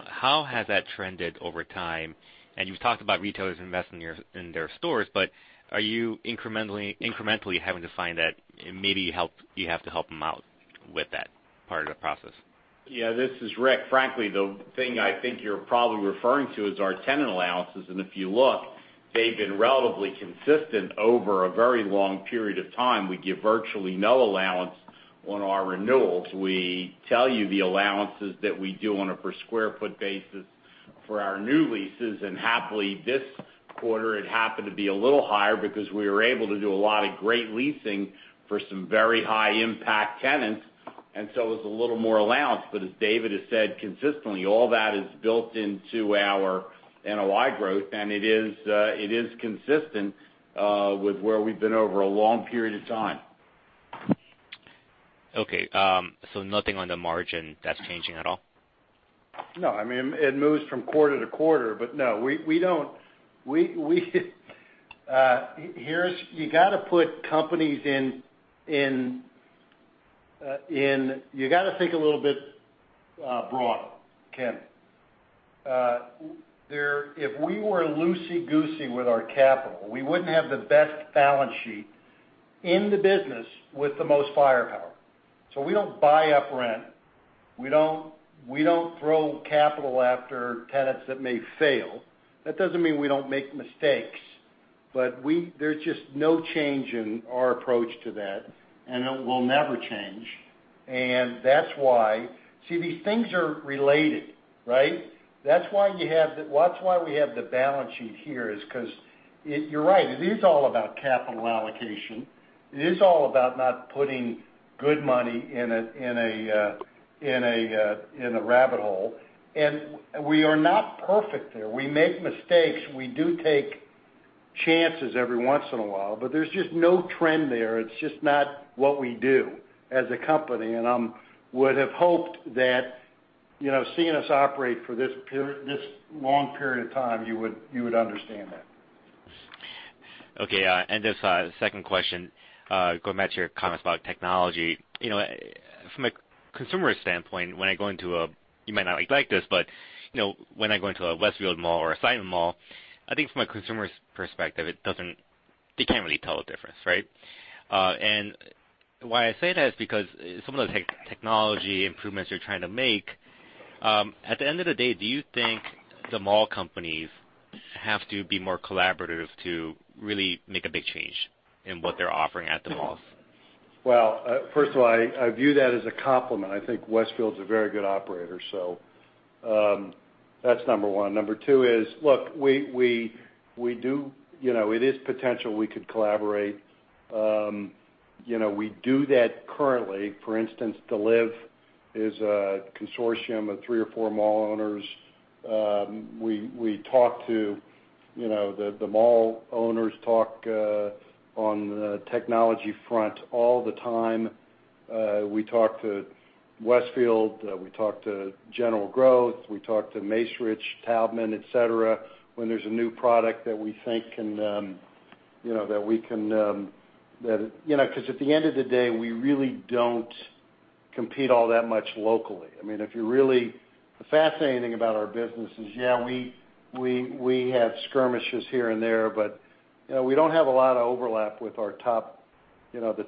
how has that trended over time? You've talked about retailers investing in their stores, but are you incrementally having to find that maybe you have to help them out with that part of the process? This is Rick. Frankly, the thing I think you're probably referring to is our tenant allowances. If you look, they've been relatively consistent over a very long period of time. We give virtually no allowance on our renewals. We tell you the allowances that we do on a per square foot basis for our new leases. Happily, this quarter it happened to be a little higher because we were able to do a lot of great leasing for some very high impact tenants. It was a little more allowance. As David has said consistently, all that is built into our NOI growth and it is consistent with where we've been over a long period of time. Nothing on the margin that's changing at all? No, it moves from quarter to quarter, but no, we don't. You got to think a little bit broader, Kevin. If we were loosey-goosey with our capital, we wouldn't have the best balance sheet in the business with the most firepower. We don't buy up rent. We don't throw capital after tenants that may fail. That doesn't mean we don't make mistakes, but there's just no change in our approach to that, and it will never change. That's why, see, these things are related, right? That's why we have the balance sheet here is because you're right, it is all about capital allocation. It is all about not putting good money in a rabbit hole. We are not perfect there. We make mistakes. We do take chances every once in a while, but there's just no trend there. It's just not what we do as a company. I would have hoped that, seeing us operate for this long period of time, you would understand that. Okay. Just a second question, going back to your comments about technology. From a consumer standpoint, you might not like this, but when I go into a Westfield Mall or a Simon Mall, I think from a consumer's perspective, they can't really tell the difference, right? Why I say that is because some of the technology improvements you're trying to make, at the end of the day, do you think the mall companies have to be more collaborative to really make a big change in what they're offering at the malls? Well, first of all, I view that as a compliment. I think Westfield's a very good operator. That's number one. Number two is, look, it is potential we could collaborate. We do that currently. For instance, Deliv is a consortium of three or four mall owners. The mall owners talk on the technology front all the time. We talk to Westfield, we talk to General Growth, we talk to Macerich, Taubman, et cetera, when there's a new product that we think because at the end of the day, we really don't compete all that much locally. The fascinating thing about our business is, yeah, we have skirmishes here and there, but we don't have a lot of overlap with the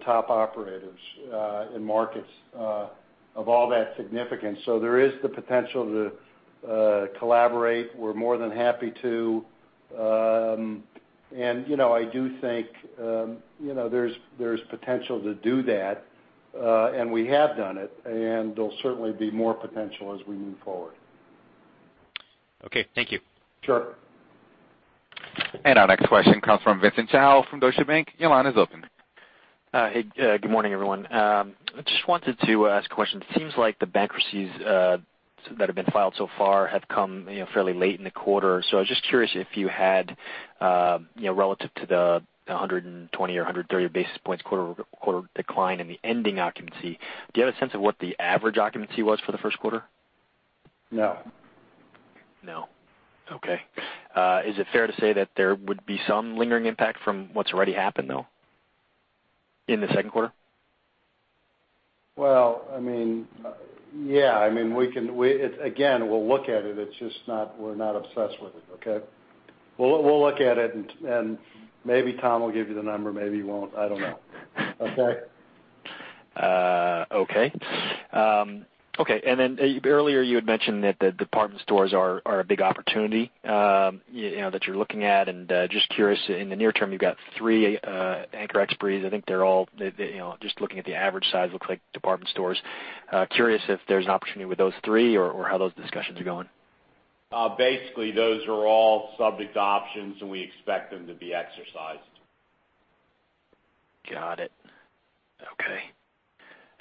top operators, in markets of all that significance. There is the potential to collaborate. We're more than happy to. I do think there's potential to do that, and we have done it, and there'll certainly be more potential as we move forward. Okay. Thank you. Sure. Our next question comes from Vincent Chao from Deutsche Bank. Your line is open. Good morning, everyone. I just wanted to ask a question. It seems like the bankruptcies that have been filed so far have come fairly late in the quarter. I was just curious if you had, relative to the 120 or 130 basis points quarter-over-quarter decline in the ending occupancy, do you have a sense of what the average occupancy was for the first quarter? No. No. Okay. Is it fair to say that there would be some lingering impact from what's already happened, though, in the second quarter? Yeah. We'll look at it. It's just we're not obsessed with it, okay? We'll look at it, and maybe Tom will give you the number, maybe he won't. I don't know. Okay? Okay. Earlier you had mentioned that the department stores are a big opportunity that you're looking at, just curious, in the near term, you've got three anchor expiries. I think they're all, just looking at the average size, look like department stores. Curious if there's an opportunity with those three or how those discussions are going. Basically, those are all subject options, and we expect them to be exercised. Got it. Okay.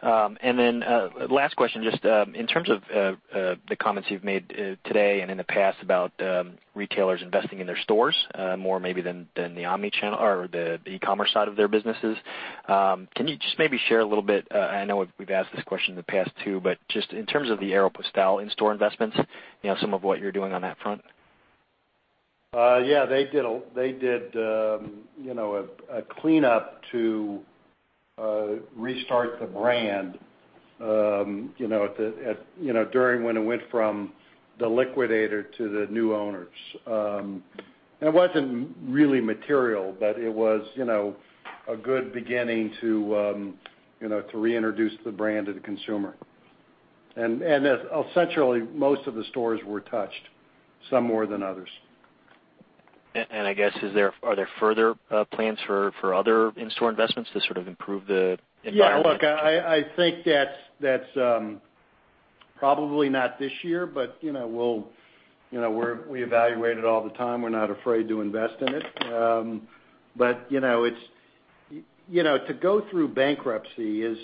Last question, just in terms of the comments you've made today and in the past about retailers investing in their stores more maybe than the omni-channel or the e-commerce side of their businesses. Can you just maybe share a little bit, I know we've asked this question in the past too, but just in terms of the Aéropostale in-store investments, some of what you're doing on that front. Yeah, they did a cleanup to restart the brand during when it went from the liquidator to the new owners. It wasn't really material, but it was a good beginning to reintroduce the brand to the consumer. Essentially, most of the stores were touched, some more than others. I guess, are there further plans for other in-store investments to sort of improve the environment? Yeah, look, I think that's probably not this year, but we evaluate it all the time. We're not afraid to invest in it. To go through bankruptcy is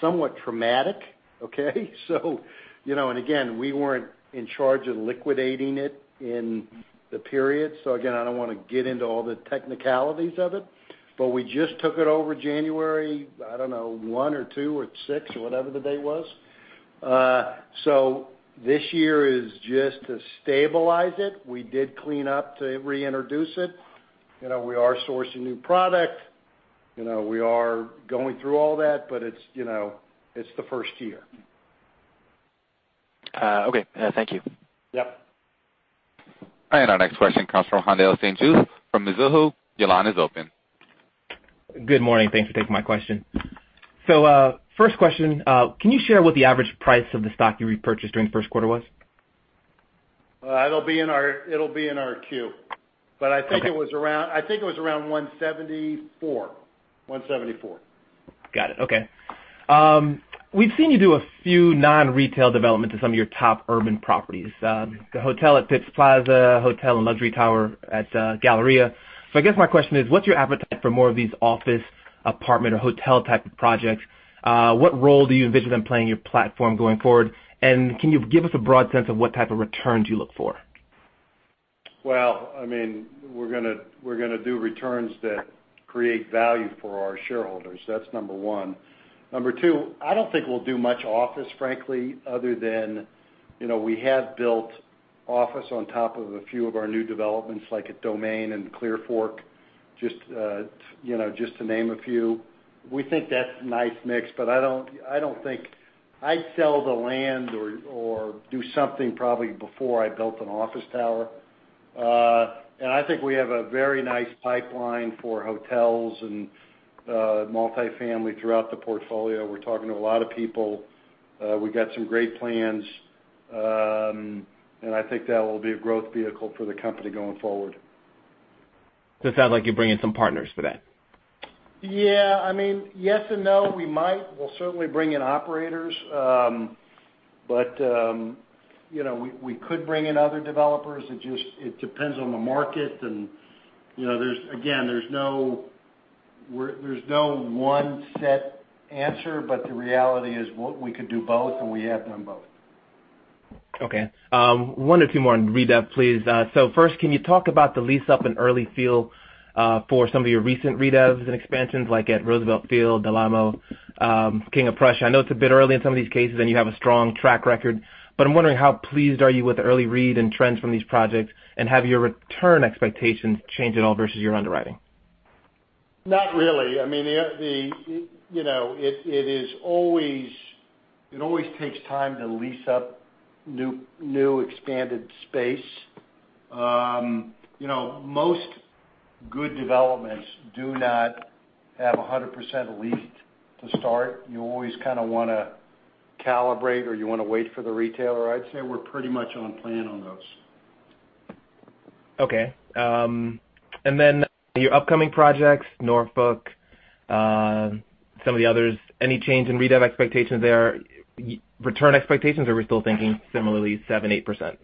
somewhat traumatic, okay? Again, we weren't in charge of liquidating it in the period. Again, I don't want to get into all the technicalities of it, but we just took it over January, I don't know, one or two or six or whatever the date was. This year is just to stabilize it. We did clean up to reintroduce it. We are sourcing new product. We are going through all that, but it's the first year. Okay. Thank you. Yep. Our next question comes from Haendel St. Juste from Mizuho. Your line is open. Good morning. Thanks for taking my question. First question, can you share what the average price of the stock you repurchased during the first quarter was? It'll be in our Q. Okay. I think it was around $174. Got it. Okay. We've seen you do a few non-retail development to some of your top urban properties, the hotel at Phipps Plaza, hotel and luxury tower at Galleria. I guess my question is, what's your appetite for more of these office, apartment, or hotel type of projects? What role do you envision them playing in your platform going forward? Can you give us a broad sense of what type of returns you look for? We're going to do returns that create value for our shareholders. That's number 1. Number 2, I don't think we'll do much office, frankly, other than we have built office on top of a few of our new developments, like at Domain and Clearfork, just to name a few. We think that's a nice mix, but I'd sell the land or do something probably before I built an office tower. I think we have a very nice pipeline for hotels and multi-family throughout the portfolio. We're talking to a lot of people. We got some great plans. I think that will be a growth vehicle for the company going forward. This sounds like you bring in some partners for that. Yeah. Yes and no. We might. We'll certainly bring in operators. We could bring in other developers. It depends on the market, and again, there's no one set answer, but the reality is, we could do both, and we have done both. Okay. One or two more on redev, please. First, can you talk about the lease up in early feel for some of your recent redevs and expansions, like at Roosevelt Field, Del Amo, King of Prussia. I know it's a bit early in some of these cases, and you have a strong track record, I'm wondering how pleased are you with the early read and trends from these projects, and have your return expectations changed at all versus your underwriting? Not really. It always takes time to lease up new expanded space. Most good developments do not have 100% leased to start. You always kind of want to calibrate or you want to wait for the retailer. I'd say we're pretty much on plan on those. Okay. Your upcoming projects, Norfolk, some of the others, any change in redev expectations there, return expectations, or are we still thinking similarly, 7%-8%?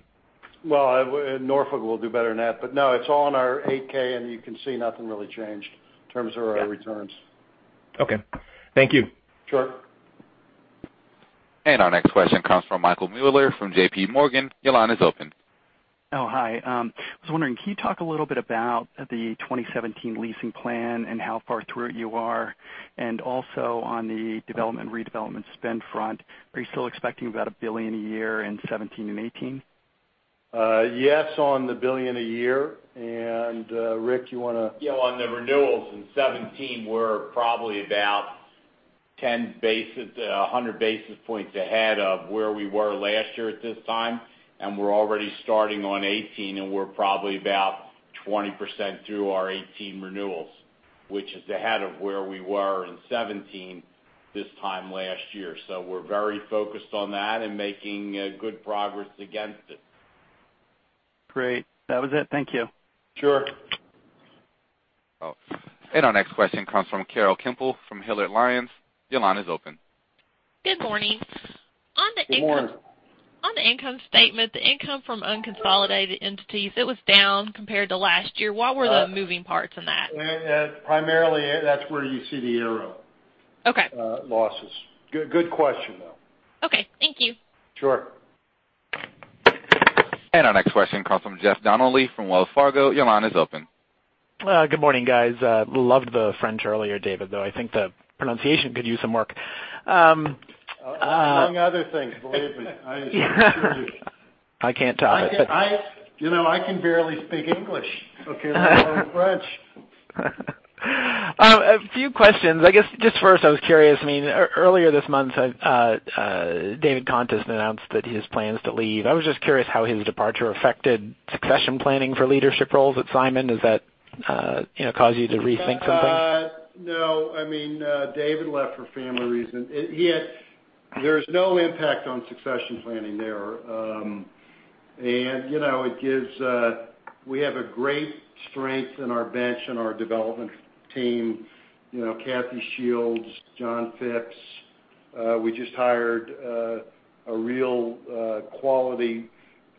Well, Norfolk will do better than that. No, it's all in our 8-K, and you can see nothing really changed in terms of our returns. Okay. Thank you. Sure. Our next question comes from Michael Mueller from JPMorgan. Your line is open. Oh, hi. I was wondering, can you talk a little bit about the 2017 leasing plan and how far through it you are? Also on the development, redevelopment spend front, are you still expecting about $1 billion a year in 2017 and 2018? Yes, on the $1 billion a year. Rick, you want to- Yeah, on the renewals in 2017, we're probably about 100 basis points ahead of where we were last year at this time. We're already starting on 2018. We're probably about 20% through our 2018 renewals, which is ahead of where we were in 2017 this time last year. We're very focused on that and making good progress against it. Great. That was it. Thank you. Sure. Our next question comes from Carol Kemple from Hilliard Lyons. Your line is open. Good morning. Good morning. On the income statement, the income from unconsolidated entities, it was down compared to last year. What were the moving parts in that? Primarily, that's where you see the arrow- Okay losses. Good question, though. Okay. Thank you. Sure. Our next question comes from Jeff Donnelly from Wells Fargo. Your line is open. Good morning, guys. Loved the French earlier, David, though I think the pronunciation could use some work. Among other things, believe me. I can't top it. I can barely speak English, okay, let alone French. A few questions. I guess, just first, I was curious, earlier this month, David Contis announced his plans to leave. I was just curious how his departure affected succession planning for leadership roles at Simon. Does that cause you to rethink some things? No. David left for family reasons. There's no impact on succession planning there. We have a great strength in our bench and our development team, Kathleen Shields, John Phipps. We just hired a real quality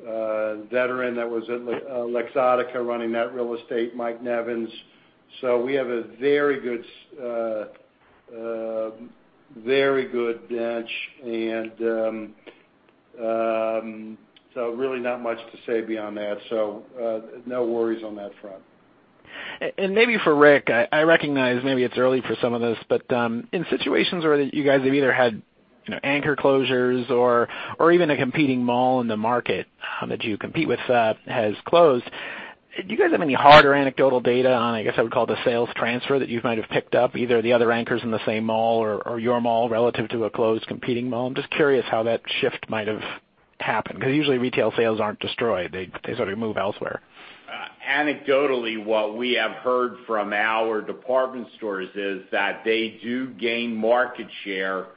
veteran that was at LIXIL running that real estate, Mike Nevins. We have a very good bench. Really not much to say beyond that. No worries on that front. Maybe for Rick, I recognize maybe it's early for some of this, but in situations where you guys have either had anchor closures or even a competing mall in the market that you compete with has closed, do you guys have any hard or anecdotal data on, I guess I would call it, the sales transfer that you might have picked up, either the other anchors in the same mall or your mall relative to a closed competing mall? I'm just curious how that shift might have happened, because usually retail sales aren't destroyed. They sort of move elsewhere. Anecdotally, what we have heard from our department stores is that they do gain market share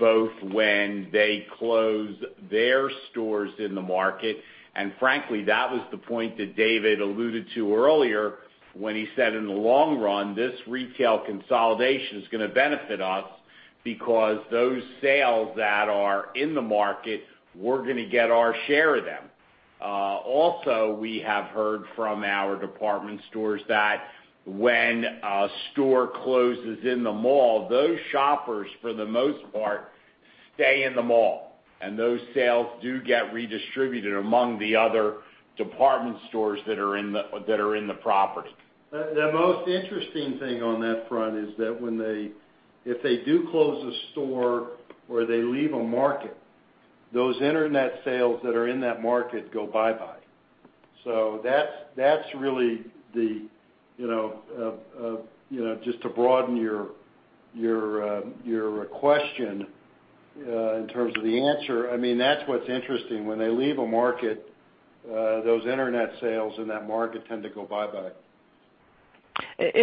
both when they close their stores in the market, and frankly, that was the point that David alluded to earlier when he said in the long run, this retail consolidation is going to benefit us because those sales that are in the market, we're going to get our share of them. Also, we have heard from our department stores that when a store closes in the mall, those shoppers, for the most part, stay in the mall, and those sales do get redistributed among the other department stores that are in the property. The most interesting thing on that front is that if they do close a store or they leave a market, those internet sales that are in that market go bye-bye. Just to broaden your question in terms of the answer, that's what's interesting. When they leave a market, those internet sales in that market tend to go bye-bye.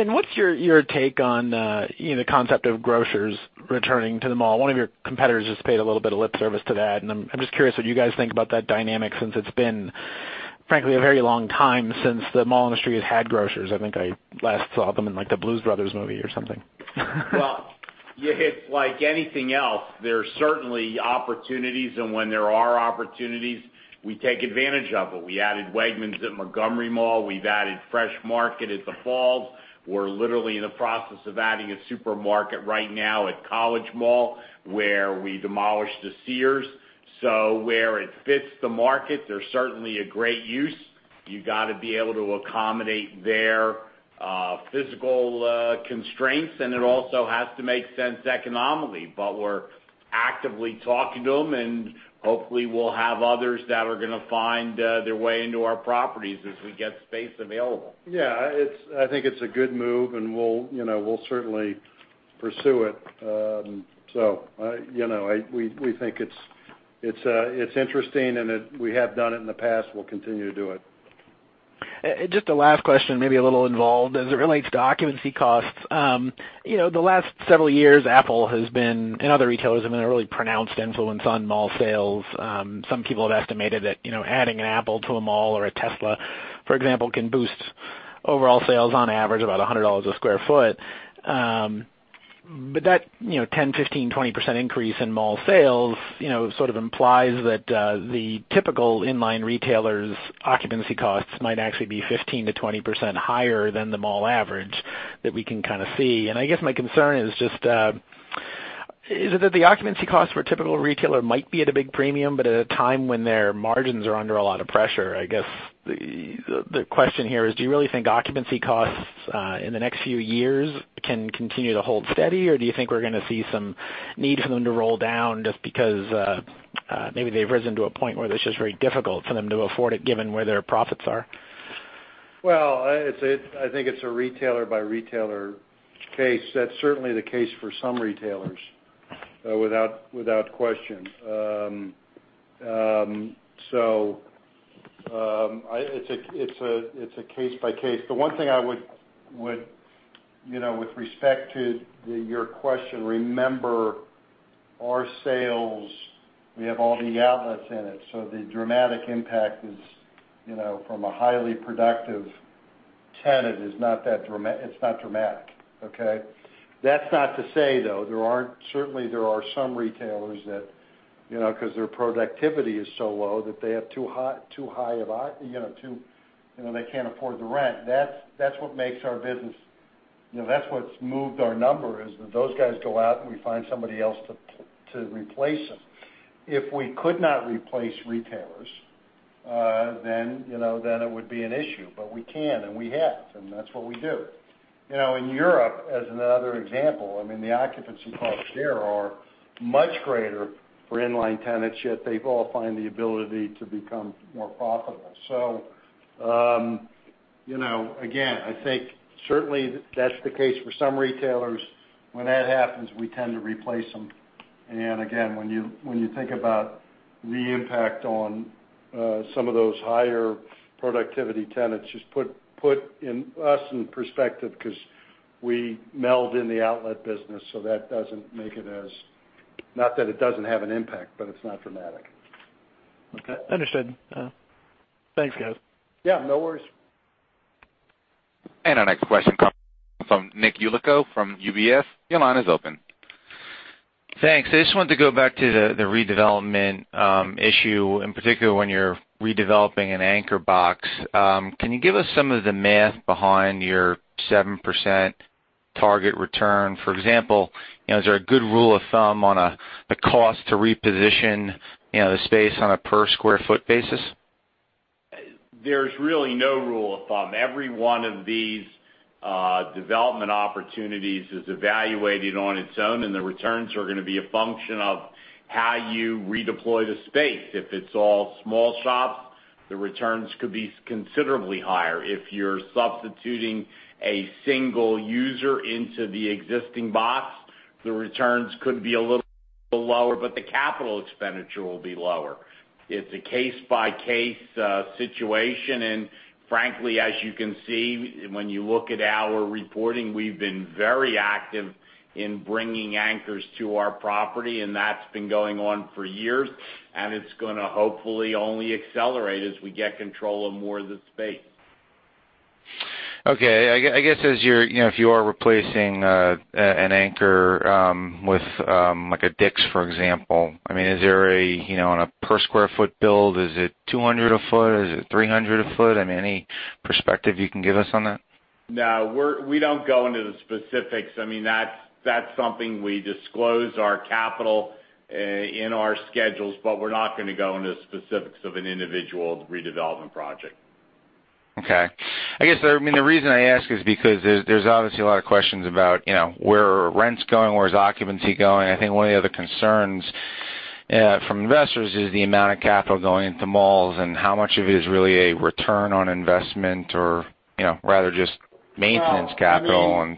What's your take on the concept of grocers returning to the mall? One of your competitors just paid a little bit of lip service to that, and I'm just curious what you guys think about that dynamic since it's been, frankly, a very long time since the mall industry has had grocers. I think I last saw them in the Blues Brothers movie or something. Well, it's like anything else. There's certainly opportunities, and when there are opportunities, we take advantage of it. We added Wegmans at Montgomery Mall. We've added Fresh Market at The Falls. We're literally in the process of adding a supermarket right now at College Mall, where we demolished the Sears. Where it fits the market, they're certainly a great use. You got to be able to accommodate their physical constraints, and it also has to make sense economically. We're actively talking to them, and hopefully we'll have others that are going to find their way into our properties as we get space available. Yeah. I think it's a good move. We'll certainly pursue it. We think it's interesting. We have done it in the past. We'll continue to do it. Just a last question, maybe a little involved as it relates to occupancy costs. The last several years, Apple and other retailers have been a really pronounced influence on mall sales. Some people have estimated that adding an Apple to a mall or a Tesla, for example, can boost overall sales on average about $100 a sq ft. That 10%, 15%, 20% increase in mall sales sort of implies that the typical in-line retailer's occupancy costs might actually be 15%-20% higher than the mall average that we can kind of see. I guess my concern is just, is it that the occupancy costs for a typical retailer might be at a big premium, at a time when their margins are under a lot of pressure, I guess, the question here is, do you really think occupancy costs in the next few years can continue to hold steady, or do you think we're going to see some need for them to roll down just because maybe they've risen to a point where it's just very difficult for them to afford it given where their profits are? Well, I think it's a retailer by retailer case. That's certainly the case for some retailers, without question. It's a case by case. The one thing with respect to your question, remember, our sales, we have all the outlets in it, so the dramatic impact is, from a highly productive tenant, it's not dramatic. Okay? That's not to say, though, certainly there are some retailers that, because their productivity is so low that they can't afford the rent. That's what's moved our number, is that those guys go out. We find somebody else to replace them. If we could not replace retailers, it would be an issue. We can. We have. That's what we do. In Europe, as another example, the occupancy costs there are much greater for in-line tenants, yet they've all found the ability to become more profitable. Again, I think certainly that's the case for some retailers. When that happens, we tend to replace them. Again, when you think about the impact on some of those higher productivity tenants, just put us in perspective, because we meld in the outlet business, that doesn't make it as not that it doesn't have an impact, but it's not dramatic. Okay. Understood. Thanks, guys. Yeah, no worries. Our next question comes from Nick Yulico from UBS. Your line is open. Thanks. I just wanted to go back to the redevelopment issue, in particular when you're redeveloping an anchor box. Can you give us some of the math behind your 7% target return? For example, is there a good rule of thumb on the cost to reposition the space on a per square foot basis? There's really no rule of thumb. Every one of these development opportunities is evaluated on its own, and the returns are going to be a function of how you redeploy the space. If it's all small shops, the returns could be considerably higher. If you're substituting a single user into the existing box, the returns could be a little lower, but the capital expenditure will be lower. It's a case-by-case situation, and frankly, as you can see, when you look at our reporting, we've been very active in bringing anchors to our property, and that's been going on for years, and it's going to hopefully only accelerate as we get control of more of the space. Okay. I guess if you are replacing an anchor with a Dick's, for example, on a per square foot build, is it $200 a foot? Is it $300 a foot? Any perspective you can give us on that? No, we don't go into the specifics. That's something we disclose our capital in our schedules, but we're not going to go into specifics of an individual redevelopment project. Okay. I guess the reason I ask is because there's obviously a lot of questions about where are rents going, where is occupancy going? I think one of the other concerns from investors is the amount of capital going into malls and how much of it is really a return on investment or rather just maintenance capital.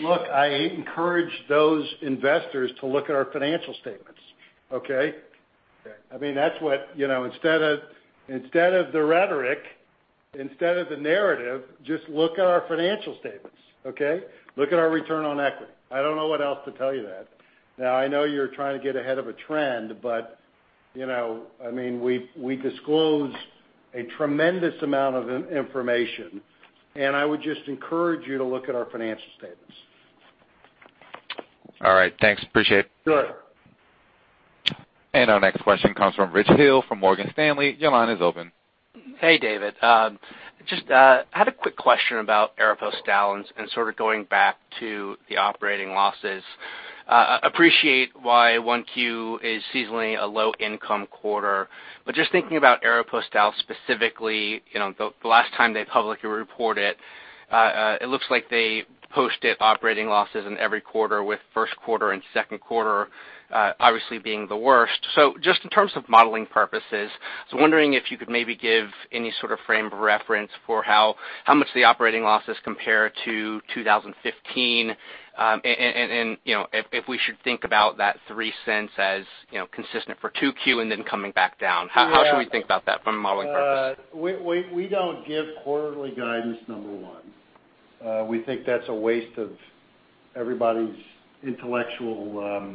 Look, I encourage those investors to look at our financial statements. Okay? Okay. Instead of the rhetoric, instead of the narrative, just look at our financial statements. Okay? Look at our return on equity. I don't know what else to tell you that. Now, I know you're trying to get ahead of a trend, but we disclose a tremendous amount of information, and I would just encourage you to look at our financial statements. All right. Thanks. Appreciate it. Sure. Our next question comes from Richard Hill from Morgan Stanley. Your line is open. Hey, David. Just had a quick question about Aéropostale and sort of going back to the operating losses. Appreciate why 1Q is seasonally a low income quarter. Just thinking about Aéropostale specifically, the last time they publicly reported, it looks like they posted operating losses in every quarter, with first quarter and second quarter obviously being the worst. Just in terms of modeling purposes, I was wondering if you could maybe give any sort of frame of reference for how much the operating losses compare to 2015, and if we should think about that $0.03 as consistent for 2Q and then coming back down. How should we think about that from a modeling purpose? We don't give quarterly guidance, number one. We think that's a waste of everybody's intellectual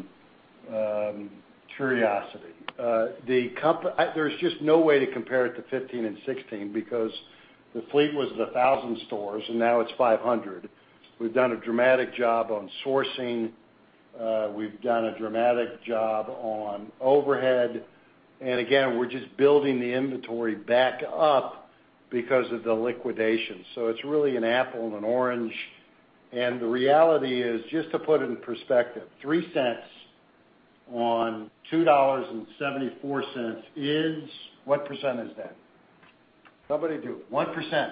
curiosity. There's just no way to compare it to 2015 and 2016 because the fleet was 1,000 stores and now it's 500. We've done a dramatic job on sourcing. We've done a dramatic job on overhead, and again, we're just building the inventory back up because of the liquidation. It's really an apple and an orange. The reality is, just to put it in perspective, $0.03 on $2.74 is, what percent is that? Somebody do it. 1%.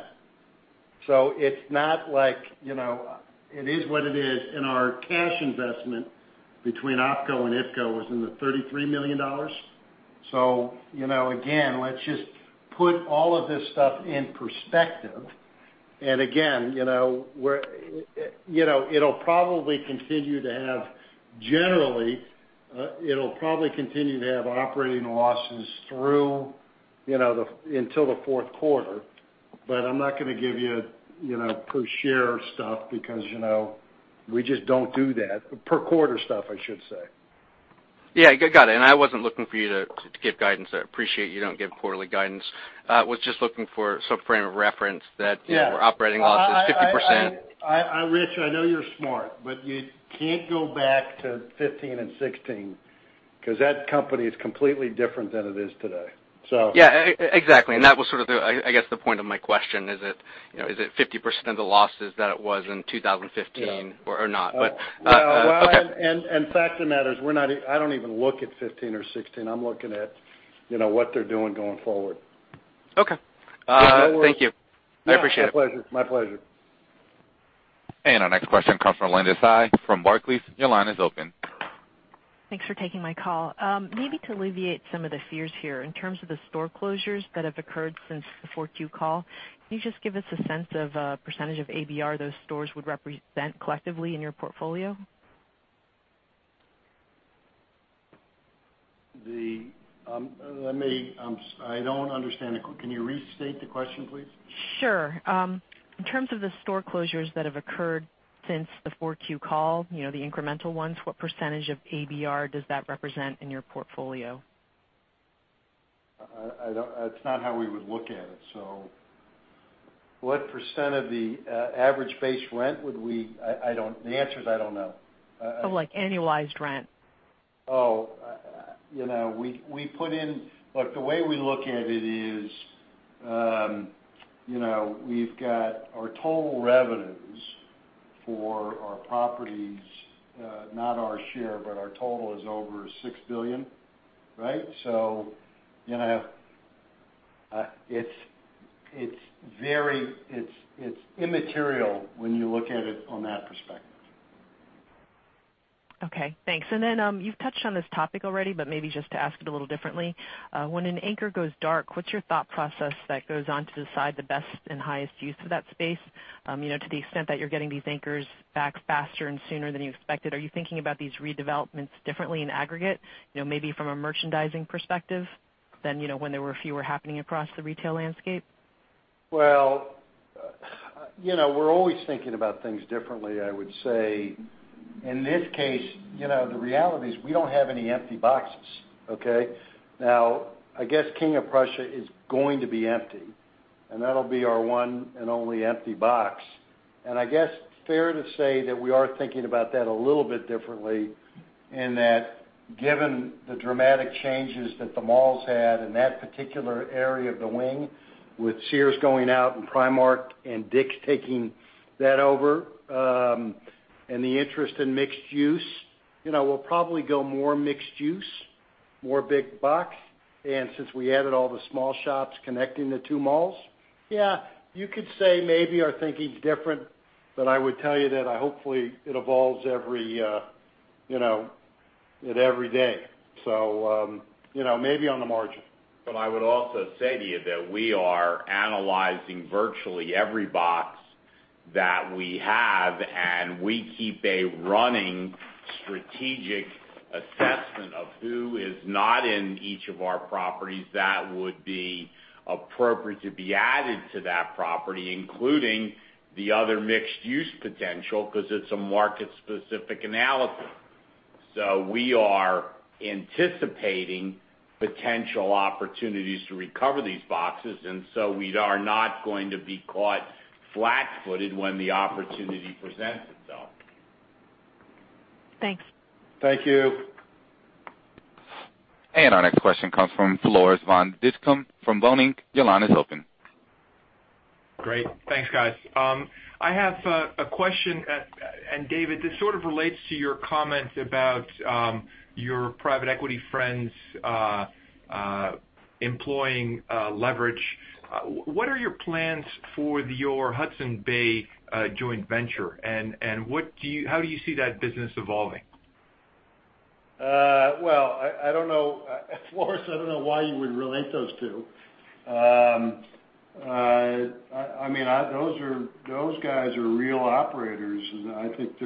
It is what it is. Our cash investment between OpCo and PropCo was in the $33 million. Again, let's just put all of this stuff in perspective. Again, generally, it'll probably continue to have operating losses until the fourth quarter. I'm not going to give you per share stuff because we just don't do that. Per quarter stuff, I should say. Yeah, got it. I wasn't looking for you to give guidance there. I appreciate you don't give quarterly guidance. Was just looking for some frame of reference that. Yeah Operating losses 50%. Rich, I know you're smart, but you can't go back to 2015 and 2016, because that company is completely different than it is today. Yeah, exactly. That was sort of, I guess, the point of my question is that, is it 50% of the losses that it was in 2015? Yeah or not. Well, fact of the matter is, I don't even look at 2015 or 2016. I'm looking at what they're doing going forward. Okay. No worries. Thank you. I appreciate it. My pleasure. Our next question comes from Linda Tsai from Barclays. Your line is open. Thanks for taking my call. Maybe to alleviate some of the fears here, in terms of the store closures that have occurred since the 4Q call, can you just give us a sense of percentage of ABR those stores would represent collectively in your portfolio? I don't understand it. Can you restate the question, please? Sure. In terms of the store closures that have occurred since the 4Q call, the incremental ones, what % of ABR does that represent in your portfolio? That's not how we would look at it. The answer is, I don't know. Oh, like annualized rent. Oh. Look, the way we look at it is, we've got our total revenues for our properties, not our share, but our total is over $6 billion. Right? It's immaterial when you look at it on that perspective. Okay, thanks. You've touched on this topic already, but maybe just to ask it a little differently. When an anchor goes dark, what's your thought process that goes on to decide the best and highest use of that space? To the extent that you're getting these anchors back faster and sooner than you expected, are you thinking about these redevelopments differently in aggregate, maybe from a merchandising perspective than when there were fewer happening across the retail landscape? Well, we're always thinking about things differently, I would say. In this case, the reality is we don't have any empty boxes, okay? Now, I guess King of Prussia is going to be empty, and that'll be our one and only empty box. I guess, fair to say that we are thinking about that a little bit differently, and that given the dramatic changes that the malls had in that particular area of the wing, with Sears going out and Primark and Dick's taking that over, and the interest in mixed use. We'll probably go more mixed use, more big box. Since we added all the small shops connecting the two malls, yeah, you could say maybe our thinking's different. I would tell you that hopefully it evolves every day. Maybe on the margin. I would also say to you that we are analyzing virtually every box that we have, and we keep a running strategic assessment of who is not in each of our properties that would be appropriate to be added to that property, including the other mixed-use potential, because it's a market specific analysis. We are anticipating potential opportunities to recover these boxes, we are not going to be caught flat-footed when the opportunity presents itself. Thanks. Thank you. Our next question comes from Floris van Dijkum from Vontobel. Your line is open. Great. Thanks, guys. I have a question. David, this sort of relates to your comment about your private equity friends employing leverage. What are your plans for your Hudson's Bay joint venture, and how do you see that business evolving? Floris, I don't know why you would relate those two. Those guys are real operators, and I think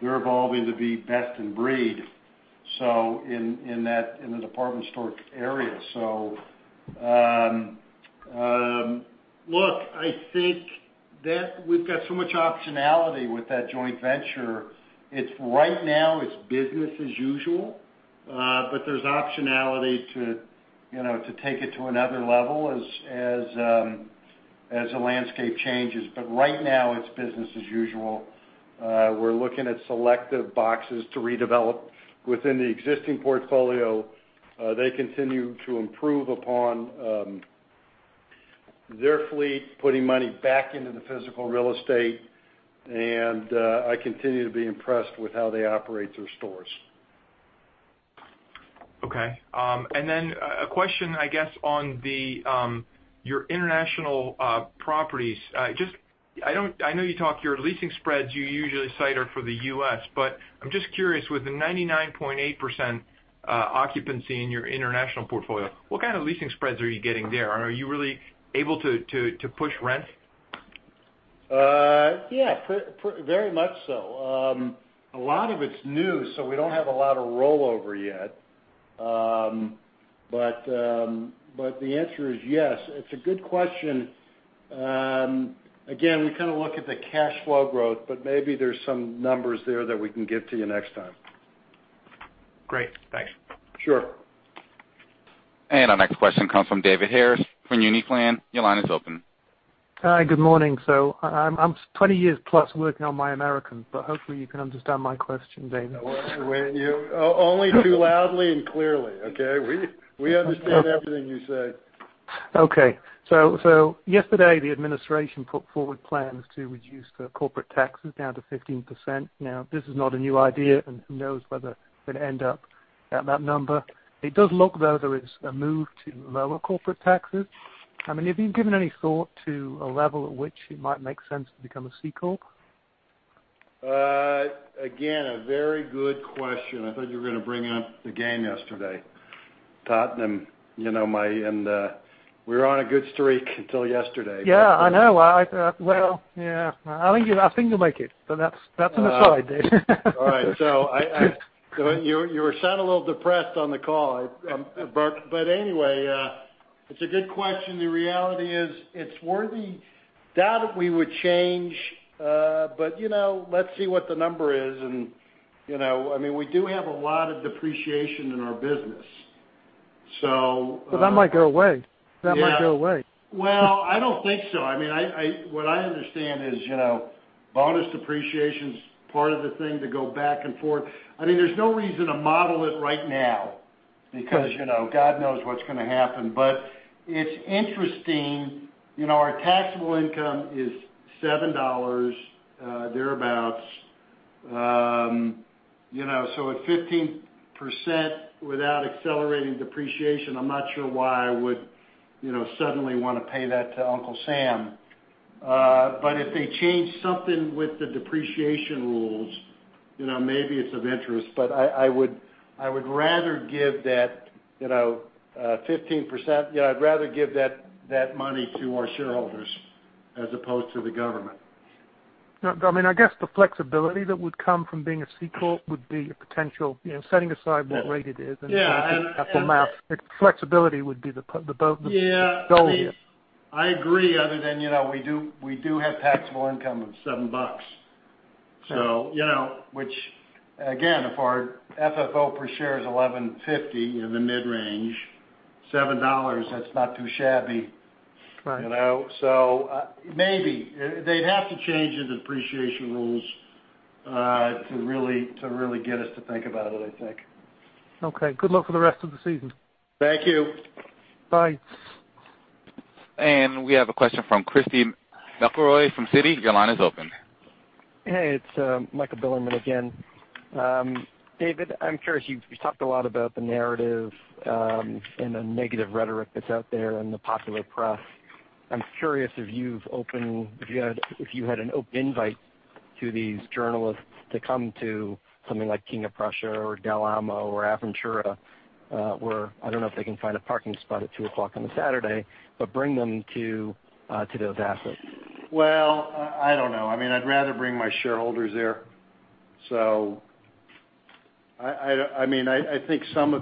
they're evolving to be best in breed, so in the department store area. Look, I think that we've got so much optionality with that joint venture. Right now it's business as usual. There's optionality to take it to another level as the landscape changes. Right now, it's business as usual. We're looking at selective boxes to redevelop within the existing portfolio. They continue to improve upon their fleet, putting money back into the physical real estate, and I continue to be impressed with how they operate their stores. Okay. Then a question, I guess, on your international properties. I know you talk your leasing spreads you usually cite are for the U.S. I'm just curious, with the 99.8% occupancy in your international portfolio, what kind of leasing spreads are you getting there? Are you really able to push rent? Yeah, very much so. A lot of it's new, so we don't have a lot of rollover yet. The answer is yes. It's a good question. Again, we kind of look at the cash flow growth, maybe there's some numbers there that we can give to you next time. Great. Thanks. Sure. Our next question comes from David Harris from Uniplan. Your line is open. Hi. Good morning. I'm 20 years plus working on my American, hopefully you can understand my question, David. Well, you only too loudly and clearly, okay? We understand everything you say. Okay. Yesterday the administration put forward plans to reduce the corporate taxes down to 15%. Now, this is not a new idea, and who knows whether they'd end up at that number. It does look, though, there is a move to lower corporate taxes. Have you given any thought to a level at which it might make sense to become a C-corp? Again, a very good question. I thought you were going to bring up the game yesterday. Tottenham, and we were on a good streak until yesterday. Yeah, I know. Well, yeah. I think you'll make it, but that's an aside there. All right. You sound a little depressed on the call, but anyway, it's a good question. The reality is, it's worthy. Doubt it we would change, let's see what the number is and, we do have a lot of depreciation in our business. That might go away. Yeah. That might go away. Well, I don't think so. What I understand is, bonus depreciation's part of the thing to go back and forth. There's no reason to model it right now because, God knows what's going to happen. It's interesting, our taxable income is $7, thereabouts. At 15% without accelerating depreciation, I'm not sure why I would suddenly want to pay that to Uncle Sam. If they change something with the depreciation rules, maybe it's of interest, but I would rather give that 15%, I'd rather give that money to our shareholders as opposed to the government. I guess the flexibility that would come from being a C-corp would be a potential, setting aside what rate it is and do the apple math, the flexibility would be the goal here. Yeah. I agree, other than, we do have taxable income of $7. Which again, if our FFO per share is $11.50 in the mid-range, $7, that's not too shabby. Right. Maybe. They'd have to change the depreciation rules to really get us to think about it, I think. Okay. Good luck for the rest of the season. Thank you. Bye. We have a question from Christy McElroy from Citi. Your line is open. Hey, it's Michael Bilerman again. David, I'm curious, you've talked a lot about the narrative, and the negative rhetoric that's out there in the popular press. I'm curious if you had an open invite to these journalists to come to something like King of Prussia or Del Amo or Aventura, where I don't know if they can find a parking spot at 2:00 on a Saturday, but bring them to those assets. Well, I don't know. I'd rather bring my shareholders there. I think I'd rather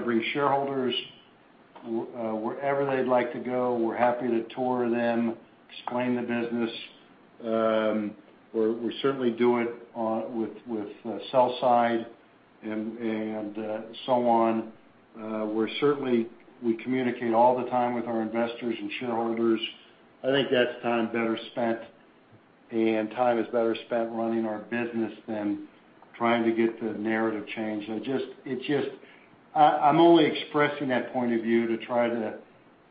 bring shareholders wherever they'd like to go. We're happy to tour them, explain the business. We certainly do it with sell-side and so on. We communicate all the time with our investors and shareholders. I think that's time better spent, and time is better spent running our business than trying to get the narrative changed. I'm only expressing that point of view to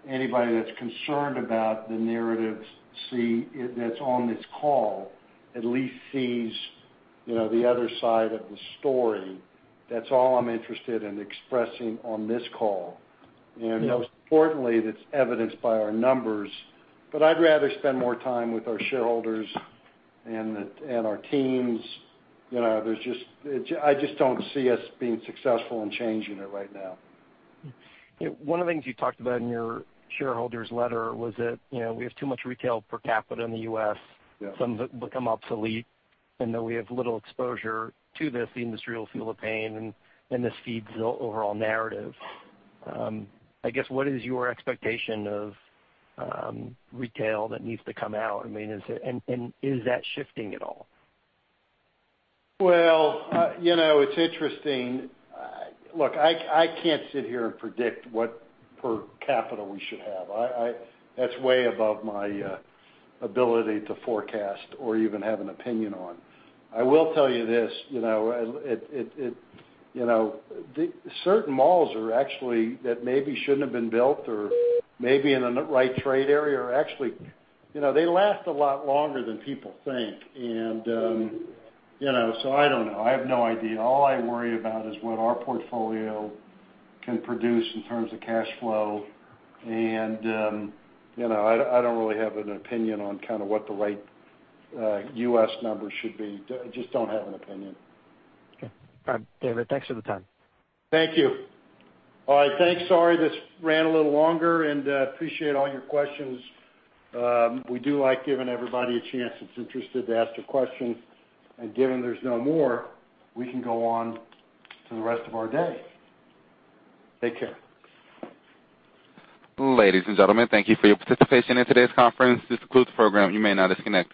anybody that's concerned about the narrative that's on this call, at least sees the other side of the story. That's all I'm interested in expressing on this call. Yeah. Most importantly, that's evidenced by our numbers. I'd rather spend more time with our shareholders and our teams. I just don't see us being successful in changing it right now. One of the things you talked about in your shareholders letter was that, we have too much retail per capita in the U.S. Yeah. Some become obsolete, though we have little exposure to this, the industry will feel the pain, this feeds the overall narrative. I guess, what is your expectation of retail that needs to come out? Is that shifting at all? Well, it's interesting. Look, I can't sit here and predict what per capita we should have. That's way above my ability to forecast or even have an opinion on. I will tell you this. Certain malls are actually that maybe shouldn't have been built or maybe in a right trade area, or actually they last a lot longer than people think. So I don't know. I have no idea. All I worry about is what our portfolio can produce in terms of cash flow, I don't really have an opinion on kind of what the right U.S. number should be. Just don't have an opinion. Okay. All right. David, thanks for the time. Thank you. All right. Thanks. Sorry this ran a little longer. Appreciate all your questions. We do like giving everybody a chance that's interested to ask a question. Given there's no more, we can go on to the rest of our day. Take care. Ladies and gentlemen, thank you for your participation in today's conference. This concludes the program. You may now disconnect.